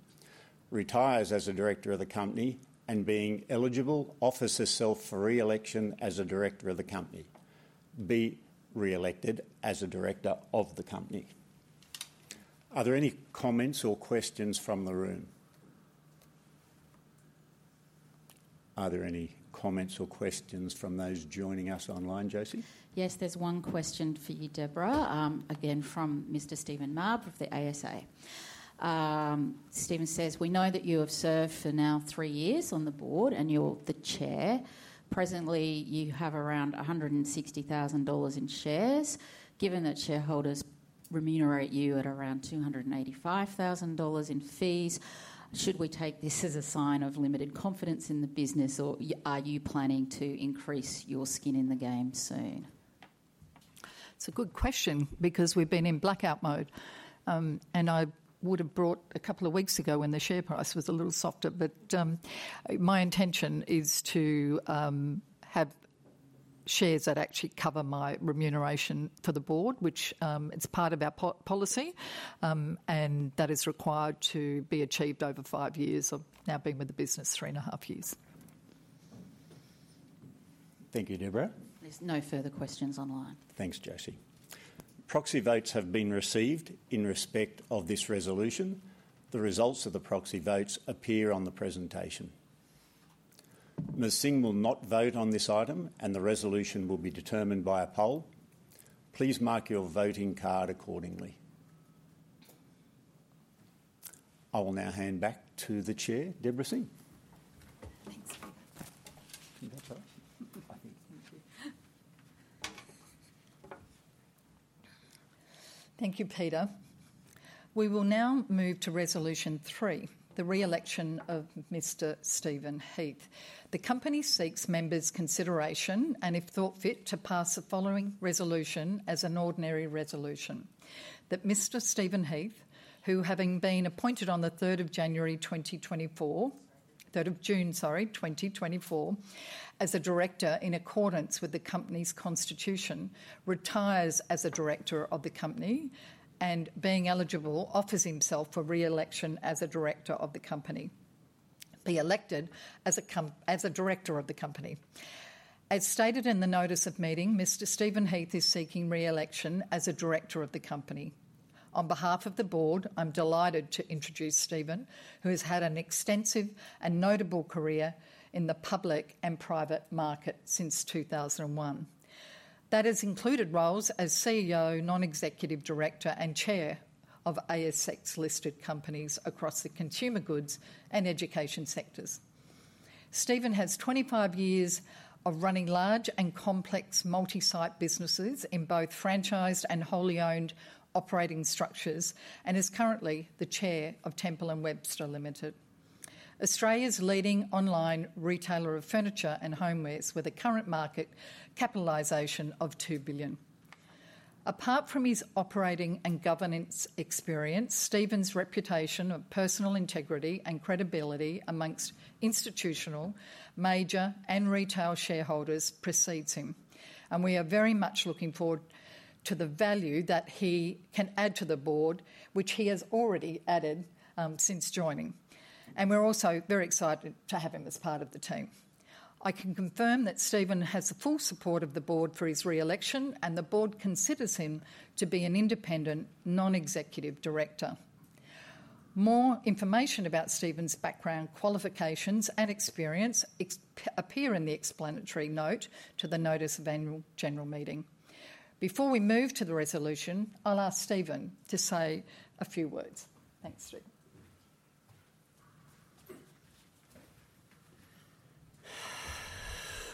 retires as a director of the company and, being eligible, offers herself for re-election as a director of the company, be re-elected as a director of the company. Are there any comments or questions from the room? Are there any comments or questions from those joining us online, Josie? Yes, there's one question for you, Debra, again from Mr. Stephen Mayne of the ASA. Stephen says, "We know that you have served for now three years on the board and you're the chair. Presently, you have around 160,000 dollars in shares. Given that shareholders remunerate you at around 285,000 dollars in fees, should we take this as a sign of limited confidence in the business, or are you planning to increase your skin in the game soon? It's a good question because we've been in blackout mode. I would have bought a couple of weeks ago when the share price was a little softer. My intention is to have shares that actually cover my remuneration for the board, which is part of our policy, and that is required to be achieved over five years. I have now been with the business three and a half years. Thank you, Debra. There are no further questions online. Thanks, Josie. Proxy votes have been received in respect of this resolution. The results of the proxy votes appear on the presentation. Ms. Singh will not vote on this item, and the resolution will be determined by a poll. Please mark your voting card accordingly. I will now hand back to the Chair, Debra Singh. Thanks, Peter. Thank you, Peter. We will now move to resolution three, the re-election of Mr. Stephen Heath. The company seeks members' consideration and, if thought fit, to pass the following resolution as an ordinary resolution. That Mr. Stephen Heath, who having been appointed on the 3rd of January 2024, 3rd of June, sorry, 2024, as a director in accordance with the company's constitution, retires as a director of the company and, being eligible, offers himself for re-election as a director of the company, be elected as a director of the company. As stated in the notice of meeting, Mr. Stephen Heath is seeking re-election as a director of the company. On behalf of the board, I'm delighted to introduce Stephen, who has had an extensive and notable career in the public and private market since 2001. That has included roles as CEO, non-executive director, and chair of ASX-listed companies across the consumer goods and education sectors. Stephen has 25 years of running large and complex multi-site businesses in both franchised and wholly owned operating structures and is currently the chair of Temple & Webster Limited, Australia's leading online retailer of furniture and homewares with a current market capitalization of 2 billion. Apart from his operating and governance experience, Stephen's reputation of personal integrity and credibility amongst institutional, major, and retail shareholders precedes him. We are very much looking forward to the value that he can add to the board, which he has already added since joining. We are also very excited to have him as part of the team. I can confirm that Stephen has the full support of the board for his re-election, and the board considers him to be an independent, non-executive director. More information about Stephen's background, qualifications, and experience appear in the explanatory note to the notice of annual general meeting. Before we move to the resolution, I'll ask Stephen to say a few words. Thanks, Stephen.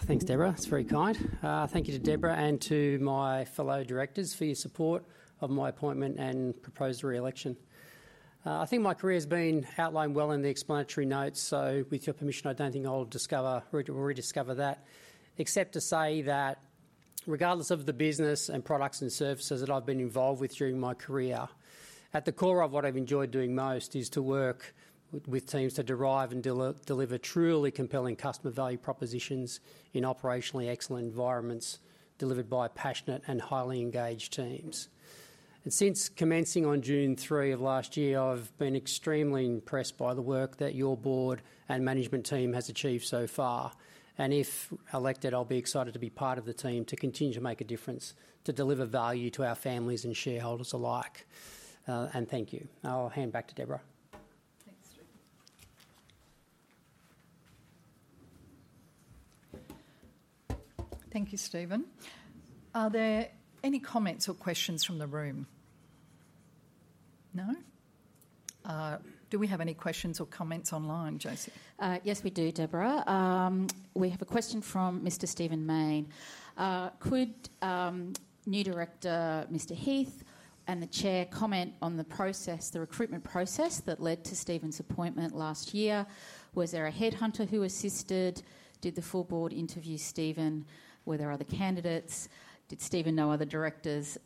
Thanks, Debra. That's very kind. Thank you to Debra and to my fellow directors for your support of my appointment and proposed re-election. I think my career has been outlined well in the explanatory notes, so with your permission, I don't think I'll rediscover that, except to say that regardless of the business and products and services that I've been involved with during my career, at the core of what I've enjoyed doing most is to work with teams to derive and deliver truly compelling customer value propositions in operationally excellent environments delivered by passionate and highly engaged teams. Since commencing on June 3 of last year, I've been extremely impressed by the work that your board and management team has achieved so far. If elected, I'll be excited to be part of the team to continue to make a difference, to deliver value to our families and shareholders alike. Thank you. I'll hand back to Debra. Thanks, Stephen. Thank you, Stephen. Are there any comments or questions from the room? No? Do we have any questions or comments online, Josie? Yes, we do, Debra. We have a question from Mr. Stephen Mayne. Could new director Mr. Heath and the Chair comment on the process, the recruitment process that led to Stephen's appointment last year? Was there a headhunter who assisted? Did the full board interview Stephen? Were there other candidates? Did Stephen know other directors?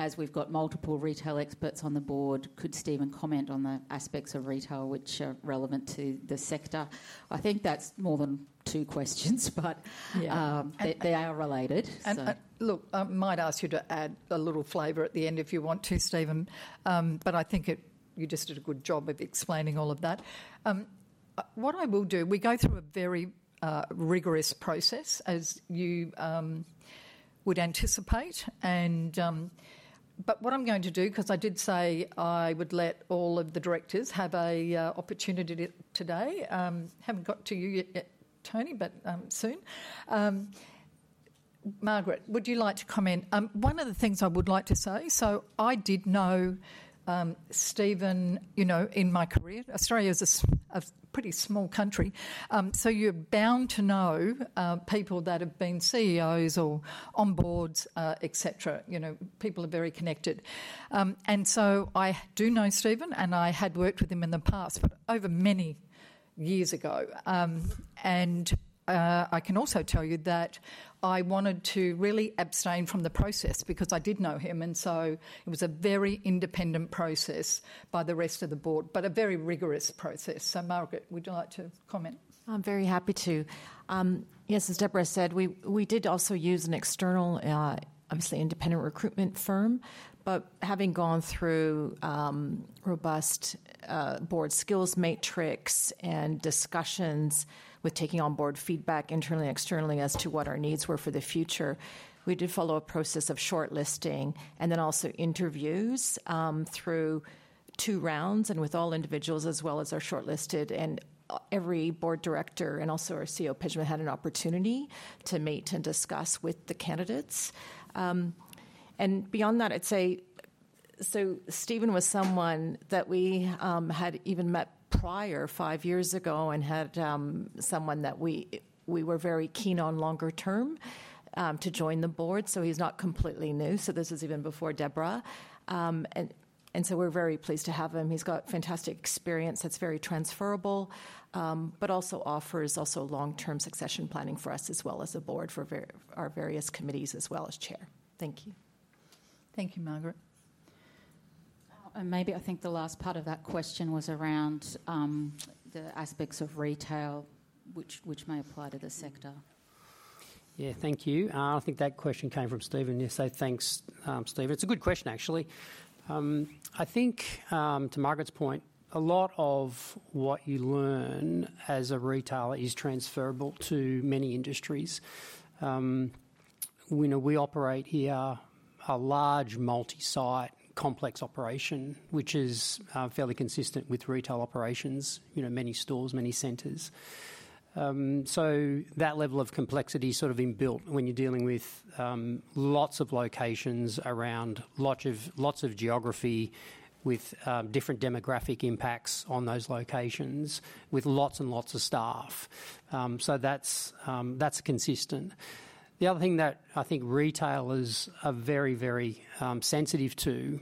As we've got multiple retail experts on the board, could Stephen comment on the aspects of retail which are relevant to the sector? I think that's more than two questions, but they are related. I might ask you to add a little flavor at the end if you want to, Stephen, but I think you just did a good job of explaining all of that. What I will do, we go through a very rigorous process, as you would anticipate. What I'm going to do, because I did say I would let all of the directors have an opportunity today, I have not got to you yet, Toni, but soon. Margaret, would you like to comment? One of the things I would like to say, I did know Stephen in my career, Australia is a pretty small country, so you're bound to know people that have been CEOs or on boards, etc. People are very connected. I do know Stephen, and I had worked with him in the past, but over many years ago. I can also tell you that I wanted to really abstain from the process because I did know him. It was a very independent process by the rest of the board, but a very rigorous process. Margaret, would you like to comment? I'm very happy to. Yes, as Debra said, we did also use an external, obviously independent recruitment firm. Having gone through a robust board skills matrix and discussions, taking on board feedback internally and externally as to what our needs were for the future, we did follow a process of shortlisting and then also interviews through two rounds with all individuals as well as our shortlisted. Every board director and also our CEO, Pejman, had an opportunity to meet and discuss with the candidates. Beyond that, I'd say Stephen was someone that we had even met prior five years ago and had someone that we were very keen on longer term to join the board. He is not completely new. This is even before Debra. We are very pleased to have him. He's got fantastic experience that's very transferable, but also offers long-term succession planning for us as well as a board for our various committees as well as chair. Thank you. Thank you, Margaret. Maybe I think the last part of that question was around the aspects of retail, which may apply to the sector. Yeah, thank you. I think that question came from Stephen. Yes, so thanks, Stephen. It's a good question, actually. I think to Margaret's point, a lot of what you learn as a retailer is transferable to many industries. We operate here a large multi-site complex operation, which is fairly consistent with retail operations, many stores, many centers. That level of complexity is sort of inbuilt when you're dealing with lots of locations around lots of geography with different demographic impacts on those locations with lots and lots of staff. That's consistent. The other thing that I think retailers are very, very sensitive to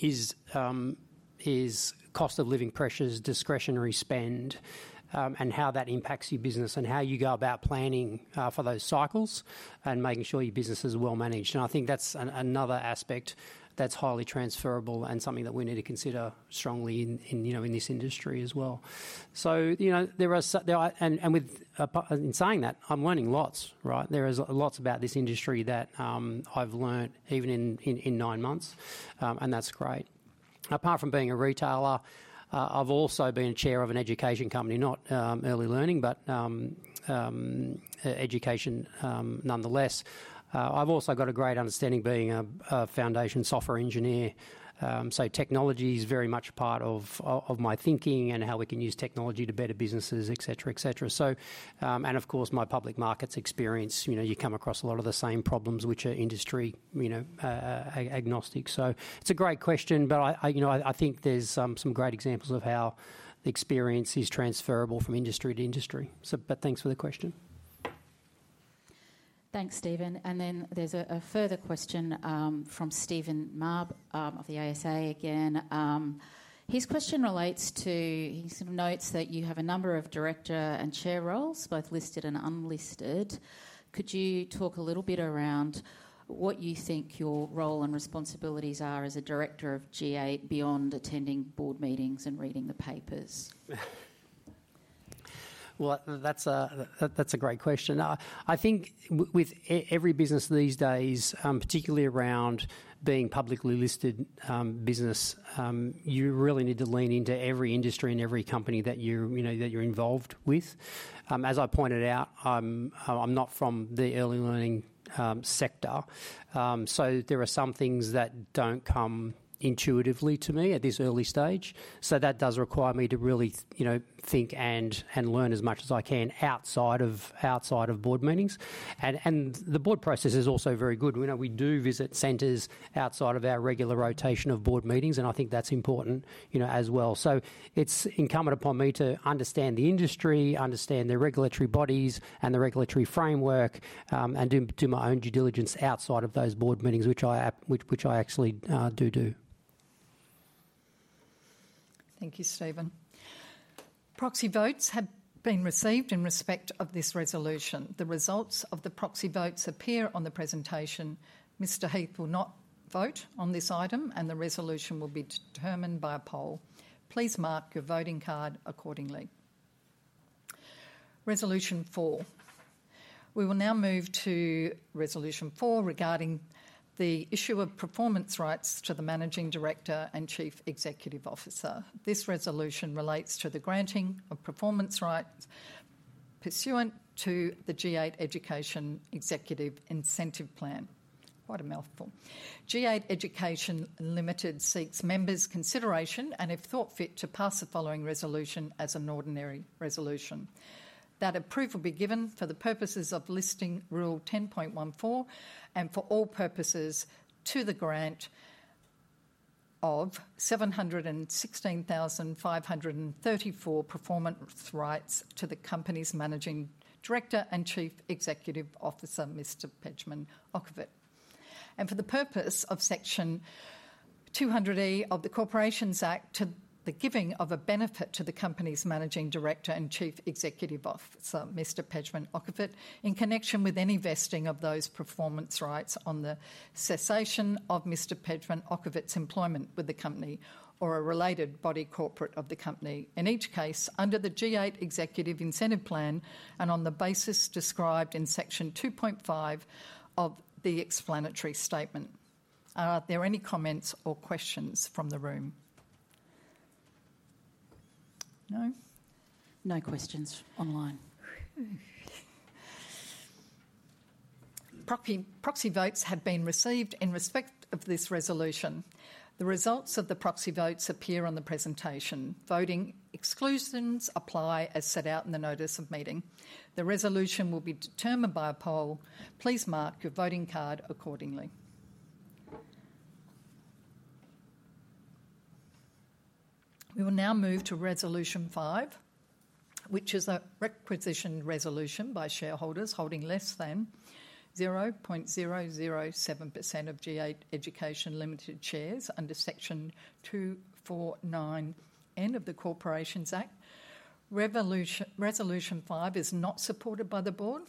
is cost of living pressures, discretionary spend, and how that impacts your business and how you go about planning for those cycles and making sure your business is well managed. I think that's another aspect that's highly transferable and something that we need to consider strongly in this industry as well. There are, and in saying that, I'm learning lots, right? There is lots about this industry that I've learnt even in nine months, and that's great. Apart from being a retailer, I've also been a chair of an education company, not early learning, but education nonetheless. I've also got a great understanding being a foundation software engineer. Technology is very much part of my thinking and how we can use technology to better businesses, etc., etc. Of course, my public markets experience. You come across a lot of the same problems which are industry agnostic. It is a great question, but I think there are some great examples of how the experience is transferable from industry to industry. Thanks for the question. Thanks, Stephen. There is a further question from Stephen May of the ASA again. His question relates to he notes that you have a number of director and chair roles, both listed and unlisted. Could you talk a little bit around what you think your role and responsibilities are as a director of G8 beyond attending board meetings and reading the papers? That is a great question. I think with every business these days, particularly around being a publicly listed business, you really need to lean into every industry and every company that you are involved with. As I pointed out, I am not from the early learning sector. There are some things that do not come intuitively to me at this early stage. That does require me to really think and learn as much as I can outside of board meetings. The board process is also very good. We do visit centers outside of our regular rotation of board meetings, and I think that is important as well. It is incumbent upon me to understand the industry, understand the regulatory bodies and the regulatory framework, and do my own due diligence outside of those board meetings, which I actually do. Thank you, Stephen. Proxy votes have been received in respect of this resolution. The results of the proxy votes appear on the presentation. Mr. Heath will not vote on this item, and the resolution will be determined by a poll. Please mark your voting card accordingly. Resolution four. We will now move to resolution four regarding the issue of performance rights to the Managing Director and Chief Executive Officer. This resolution relates to the granting of performance rights pursuant to the G8 Education Executive Incentive Plan. Quite a mouthful. G8 Education Limited seeks members' consideration and if thought fit to pass the following resolution as an ordinary resolution. That approval be given for the purposes of listing rule 10.14 and for all purposes to the grant of 716,534 performance rights to the company's Managing Director and Chief Executive Officer, Mr. Pejman Okhovat. For the purpose of section 200E of the Corporations Act, to the giving of a benefit to the company's Managing Director and Chief Executive Officer, Mr. Pejman Okhovat, in connection with any vesting of those performance rights on the cessation of Mr. Pejman Okhovat's employment with the company or a related body corporate of the company, in each case under the G8 Executive Incentive Plan and on the basis described in section 2.5 of the explanatory statement. Are there any comments or questions from the room? No? No questions online. Proxy votes have been received in respect of this resolution. The results of the proxy votes appear on the presentation. Voting exclusions apply as set out in the notice of meeting. The resolution will be determined by a poll. Please mark your voting card accordingly. We will now move to resolution five, which is a requisition resolution by shareholders holding less than 0.007% of G8 Education Limited shares under section 249N of the Corporations Act. Resolution five is not supported by the board.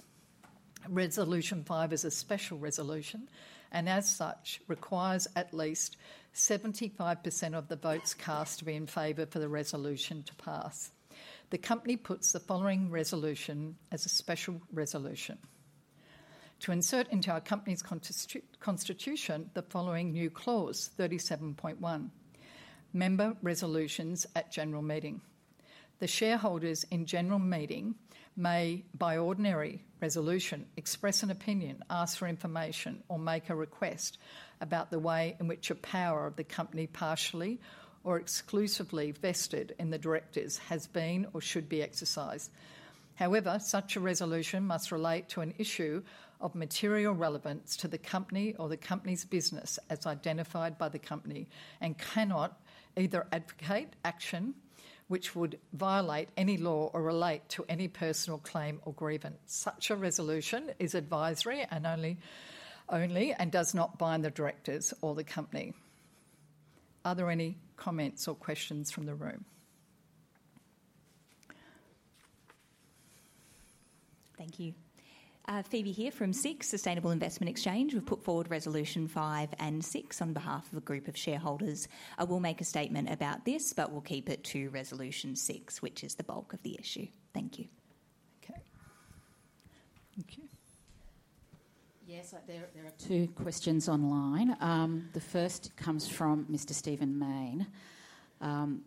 Resolution five is a special resolution and as such requires at least 75% of the votes cast to be in favour for the resolution to pass. The company puts the following resolution as a special resolution. To insert into our company's constitution the following new clause, 37.1, member resolutions at general meeting. The shareholders in general meeting may, by ordinary resolution, express an opinion, ask for information, or make a request about the way in which a power of the company partially or exclusively vested in the directors has been or should be exercised. However, such a resolution must relate to an issue of material relevance to the company or the company's business as identified by the company and cannot either advocate action which would violate any law or relate to any personal claim or grievance. Such a resolution is advisory only and does not bind the directors or the company. Are there any comments or questions from the room? Thank you. Phoebe here from SIX, Sustainable Investment Exchange. We've put forward resolution five and six on behalf of a group of shareholders. I will make a statement about this, but we'll keep it to resolution six, which is the bulk of the issue. Thank you. Okay. Yes, there are two questions online. The first comes from Mr. Stephen Mayne.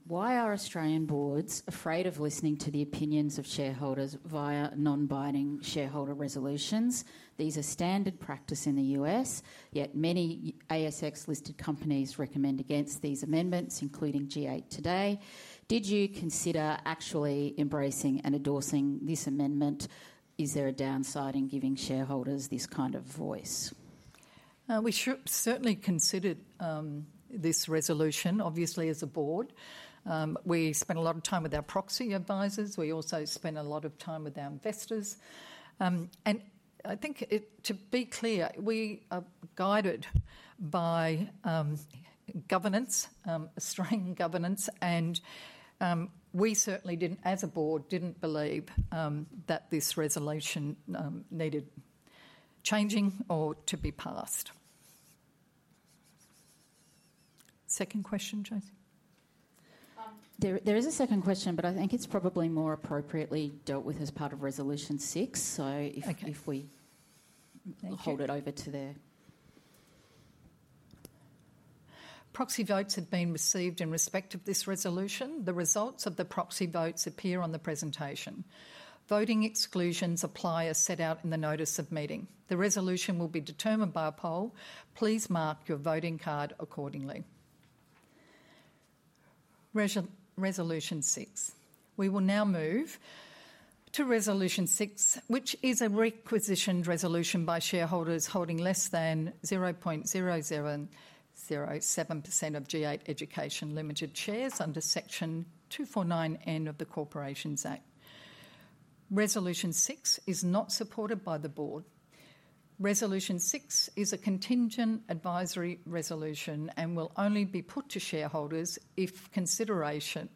Why are Australian boards afraid of listening to the opinions of shareholders via non-binding shareholder resolutions? These are standard practice in the U.S., yet many ASX-listed companies recommend against these amendments, including G8 today. Did you consider actually embracing and endorsing this amendment? Is there a downside in giving shareholders this kind of voice? We certainly considered this resolution, obviously as a board. We spent a lot of time with our proxy advisors. We also spent a lot of time with our investors. I think to be clear, we are guided by governance, Australian governance, and we certainly did not, as a board, believe that this resolution needed changing or to be passed. Second question, Josie? There is a second question, but I think it is probably more appropriately dealt with as part of resolution six. If we hold it over to there. Proxy votes have been received in respect of this resolution. The results of the proxy votes appear on the presentation. Voting exclusions apply as set out in the notice of meeting. The resolution will be determined by a poll. Please mark your voting card accordingly. Resolution six. We will now move to resolution six, which is a requisition resolution by shareholders holding less than 0.007% of G8 Education Limited shares under section 249N of the Corporations Act. Resolution six is not supported by the board. Resolution six is a contingent advisory resolution and will only be put to shareholders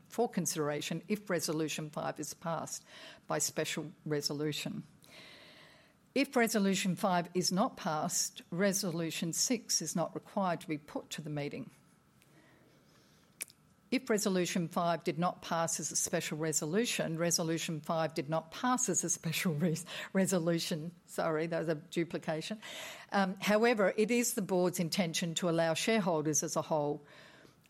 for consideration if resolution five is passed by special resolution. If resolution five is not passed, resolution six is not required to be put to the meeting. If resolution five did not pass as a special resolution, resolution five did not pass as a special resolution. Sorry, that was a duplication. However, it is the board's intention to allow shareholders as a whole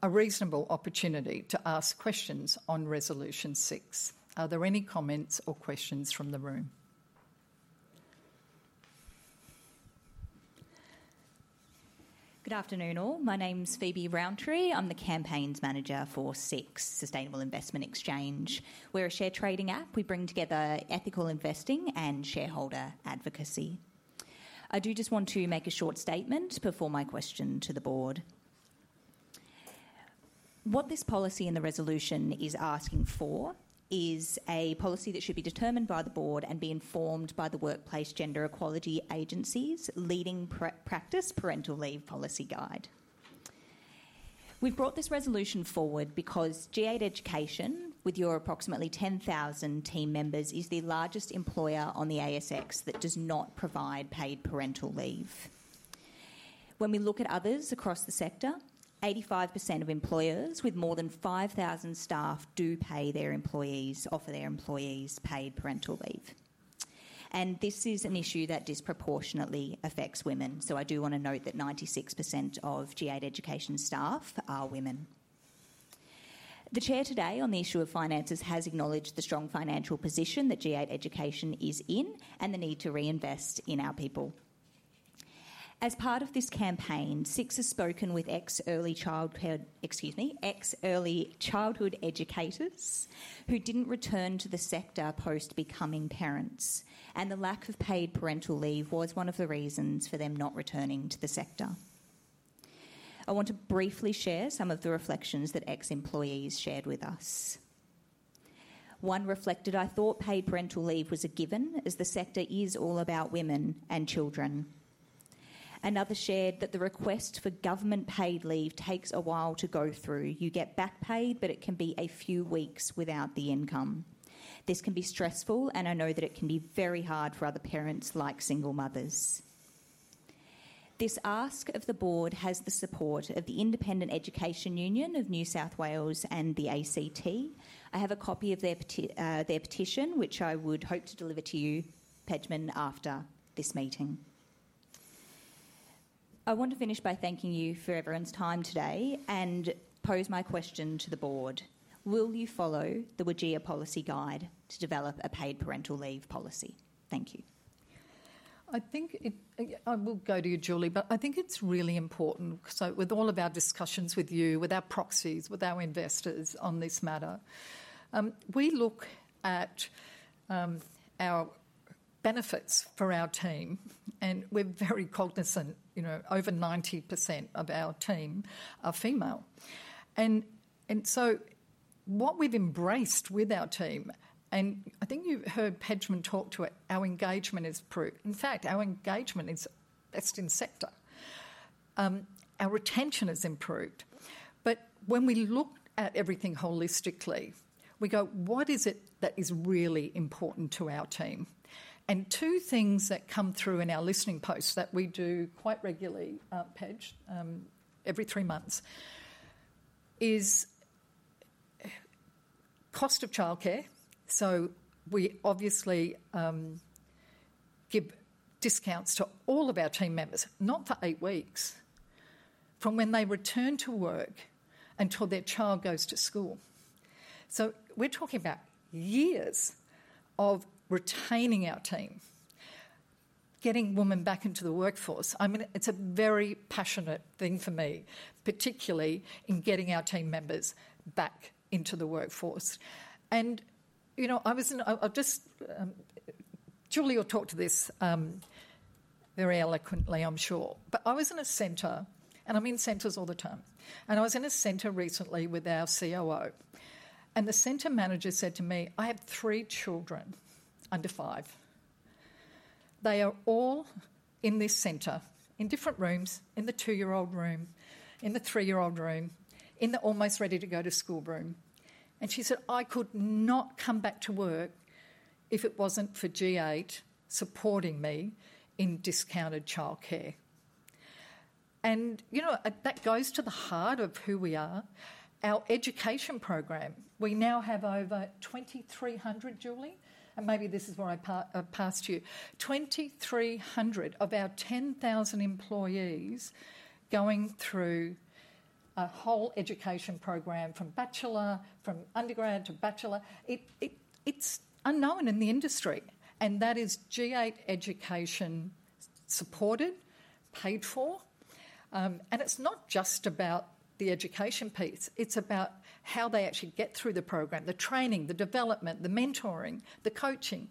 a reasonable opportunity to ask questions on resolution six. Are there any comments or questions from the room? Good afternoon, all. My name's Phoebe Rountree. I'm the campaigns manager for SIX, Sustainable Investment Exchange. We're a share trading app. We bring together ethical investing and shareholder advocacy. I do just want to make a short statement before my question to the board. What this policy and the resolution is asking for is a policy that should be determined by the board and be informed by the Workplace Gender Equality Agency's leading practice, parental leave policy guide. We've brought this resolution forward because G8 Education, with your approximately 10,000 team members, is the largest employer on the ASX that does not provide paid parental leave. When we look at others across the sector, 85% of employers with more than 5,000 staff do pay their employees, offer their employees paid parental leave. This is an issue that disproportionately affects women. I do want to note that 96% of G8 Education staff are women. The Chair today on the issue of finances has acknowledged the strong financial position that G8 Education is in and the need to reinvest in our people. As part of this campaign, SIX has spoken with ex-early childhood educators who did not return to the sector post-becoming parents, and the lack of paid parental leave was one of the reasons for them not returning to the sector. I want to briefly share some of the reflections that ex-employees shared with us. One reflected, "I thought paid parental leave was a given as the sector is all about women and children." Another shared that the request for government paid leave takes a while to go through. You get back paid, but it can be a few weeks without the income. This can be stressful, and I know that it can be very hard for other parents like single mothers. This ask of the board has the support of the Independent Education Union of New South Wales and the ACT. I have a copy of their petition, which I would hope to deliver to you, Pejman, after this meeting. I want to finish by thanking you for everyone's time today and pose my question to the board. Will you follow the WGEA policy guide to develop a paid parental leave policy? Thank you. I think it will go to you, Julie, but I think it's really important. With all of our discussions with you, with our proxies, with our investors on this matter, we look at our benefits for our team, and we're very cognizant over 90% of our team are female. What we've embraced with our team, and I think you've heard Pejman talk to it, our engagement has improved. In fact, our engagement is best in sector. Our retention has improved. When we look at everything holistically, we go, "What is it that is really important to our team?" Two things that come through in our listening posts that we do quite regularly, Pej, every three months, are cost of childcare. We obviously give discounts to all of our team members, not for eight weeks, from when they return to work until their child goes to school. We are talking about years of retaining our team, getting women back into the workforce. I mean, it is a very passionate thing for me, particularly in getting our team members back into the workforce. I was in a—Julie will talk to this very eloquently, I am sure, but I was in a centre, and I am in centres all the time. I was in a centre recently with our COO, and the centre manager said to me, "I have three children under five. They are all in this centre in different rooms, in the two-year-old room, in the three-year-old room, in the almost ready-to-go-to-school room." She said, "I could not come back to work if it wasn't for G8 supporting me in discounted childcare." That goes to the heart of who we are. Our education program, we now have over 2,300, Julie, and maybe this is where I passed you, 2,300 of our 10,000 employees going through a whole education program from undergrad to bachelor. It's unknown in the industry, and that is G8 Education supported, paid for. It's not just about the education piece. It's about how they actually get through the program, the training, the development, the mentoring, the coaching.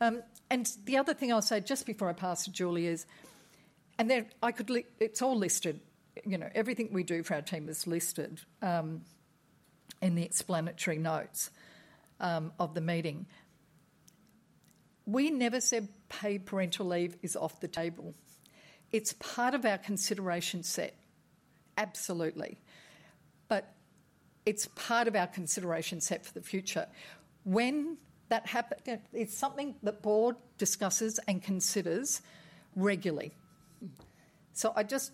The other thing I'll say just before I pass to Julie is, I could look, it's all listed. Everything we do for our team is listed in the explanatory notes of the meeting. We never said paid parental leave is off the table. It's part of our consideration set. Absolutely. It's part of our consideration set for the future. When that happens, it's something the board discusses and considers regularly.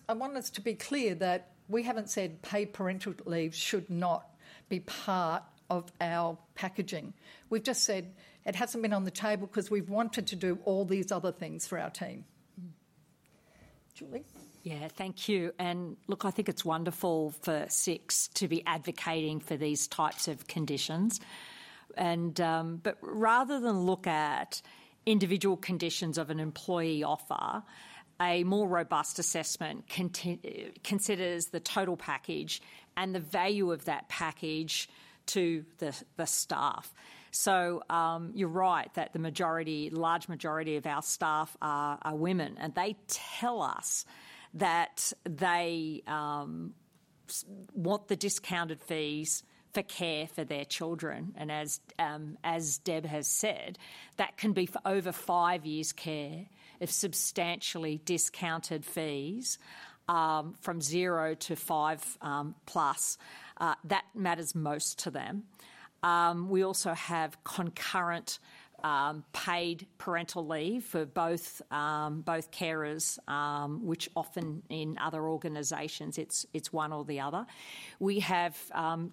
I want us to be clear that we haven't said paid parental leave should not be part of our packaging. We've just said it hasn't been on the table because we've wanted to do all these other things for our team. Julie? Yeah, thank you. I think it's wonderful for SIX to be advocating for these types of conditions. Rather than look at individual conditions of an employee offer, a more robust assessment considers the total package and the value of that package to the staff. You're right that the majority, large majority of our staff are women, and they tell us that they want the discounted fees for care for their children. As Deb has said, that can be for over five years' care of substantially discounted fees from zero to five plus. That matters most to them. We also have concurrent paid parental leave for both carers, which often in other organizations, it's one or the other. We have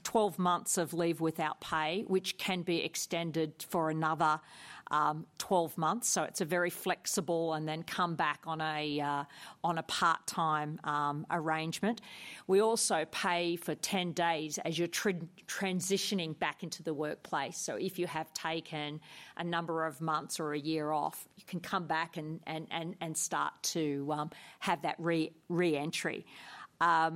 12 months of leave without pay, which can be extended for another 12 months. It's a very flexible and then come back on a part-time arrangement. We also pay for 10 days as you're transitioning back into the workplace. If you have taken a number of months or a year off, you can come back and start to have that re-entry. I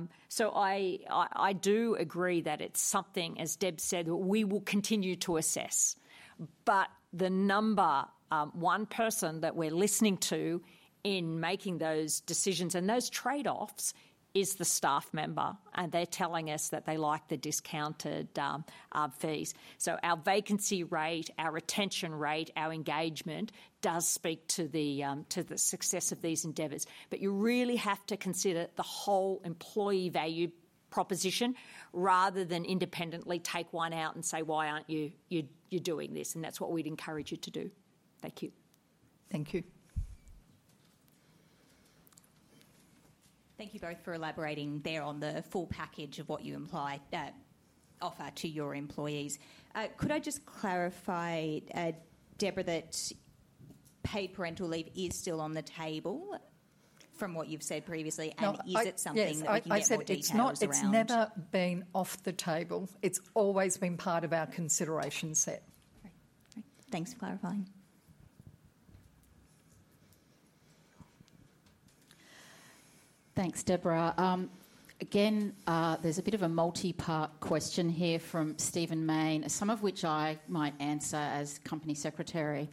do agree that it's something, as Deb said, we will continue to assess. The number one person that we're listening to in making those decisions and those trade-offs is the staff member, and they're telling us that they like the discounted fees. Our vacancy rate, our retention rate, our engagement does speak to the success of these endeavors. You really have to consider the whole employee value proposition rather than independently take one out and say, "Why aren't you doing this?" That's what we'd encourage you to do. Thank you. Thank you. Thank you both for elaborating there on the full package of what you imply offer to your employees. Could I just clarify, Debra, that paid parental leave is still on the table from what you've said previously, and is it something that you're going to address? It's never been off the table. It's always been part of our consideration set. Thanks for clarifying. Thanks, Debra. Again, there's a bit of a multi-part question here from Stephen Mayne, some of which I might answer as Company Secretary.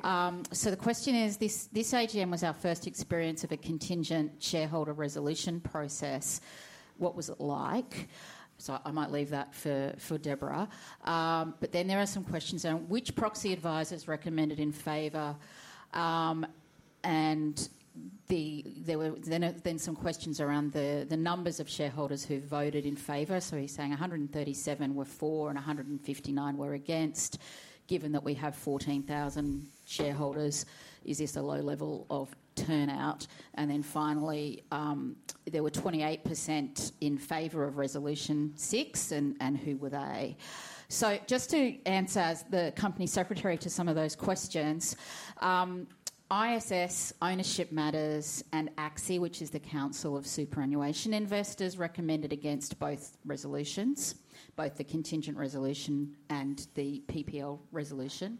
The question is, this AGM was our first experience of a contingent shareholder resolution process. What was it like? I might leave that for Debra. There are some questions around which proxy advisors recommended in favor. There were then some questions around the numbers of shareholders who voted in favor. He's saying 137 were for and 159 were against, given that we have 14,000 shareholders. Is this a low level of turnout? Finally, there were 28% in favor of resolution six, and who were they? Just to answer as the Company Secretary to some of those questions, ISS, Ownership Matters, and ACSI, which is the Council of Superannuation Investors, recommended against both resolutions, both the contingent resolution and the PPL resolution.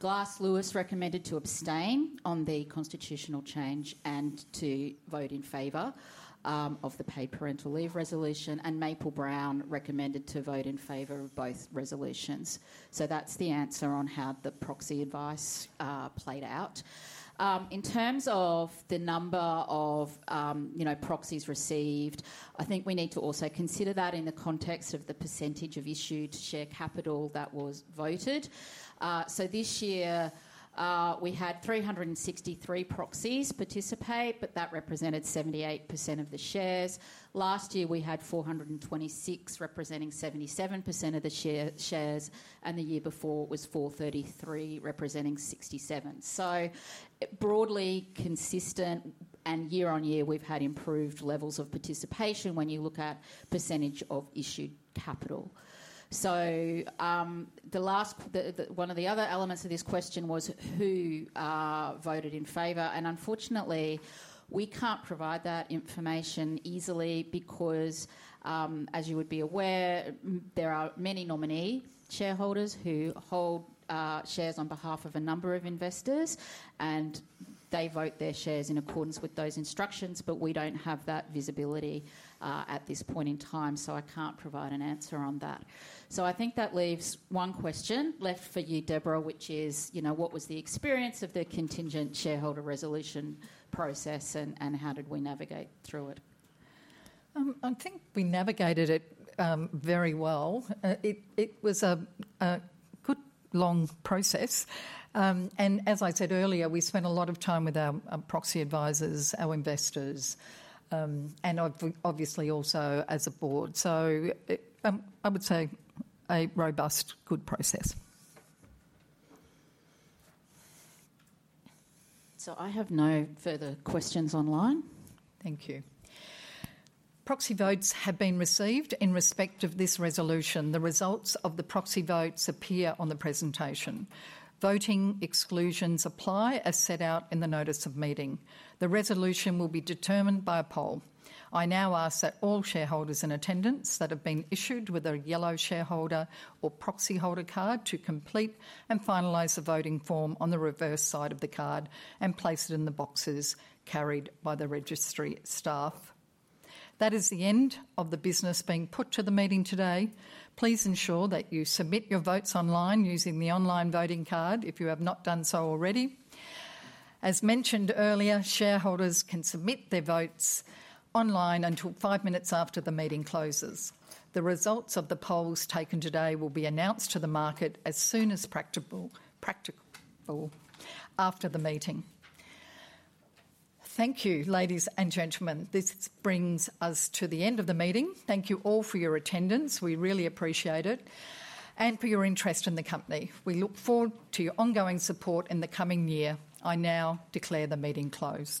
Glass Lewis recommended to abstain on the constitutional change and to vote in favor of the paid parental leave resolution. Maple-Brown Abbott recommended to vote in favor of both resolutions. That is the answer on how the proxy advice played out. In terms of the number of proxies received, I think we need to also consider that in the context of the percentage of issued share capital that was voted. This year, we had 363 proxies participate, but that represented 78% of the shares. Last year, we had 426 representing 77% of the shares, and the year before, it was 433 representing 67%. Broadly consistent, and year on year, we've had improved levels of participation when you look at percentage of issued capital. One of the other elements of this question was who voted in favor. Unfortunately, we can't provide that information easily because, as you would be aware, there are many nominee shareholders who hold shares on behalf of a number of investors, and they vote their shares in accordance with those instructions, but we don't have that visibility at this point in time, so I can't provide an answer on that. I think that leaves one question left for you, Debra, which is, what was the experience of the contingent shareholder resolution process, and how did we navigate through it? I think we navigated it very well. It was a good, long process. As I said earlier, we spent a lot of time with our proxy advisors, our investors, and obviously also as a board. I would say a robust, good process. I have no further questions online. Thank you. Proxy votes have been received in respect of this resolution. The results of the proxy votes appear on the presentation. Voting exclusions apply as set out in the notice of meeting. The resolution will be determined by a poll. I now ask that all shareholders in attendance that have been issued with a yellow shareholder or proxy holder card complete and finalize the voting form on the reverse side of the card and place it in the boxes carried by the registry staff. That is the end of the business being put to the meeting today. Please ensure that you submit your votes online using the online voting card if you have not done so already. As mentioned earlier, shareholders can submit their votes online until five minutes after the meeting closes. The results of the polls taken today will be announced to the market as soon as practicable after the meeting. Thank you, ladies and gentlemen. This brings us to the end of the meeting. Thank you all for your attendance. We really appreciate it. Thank you for your interest in the company. We look forward to your ongoing support in the coming year. I now declare the meeting closed.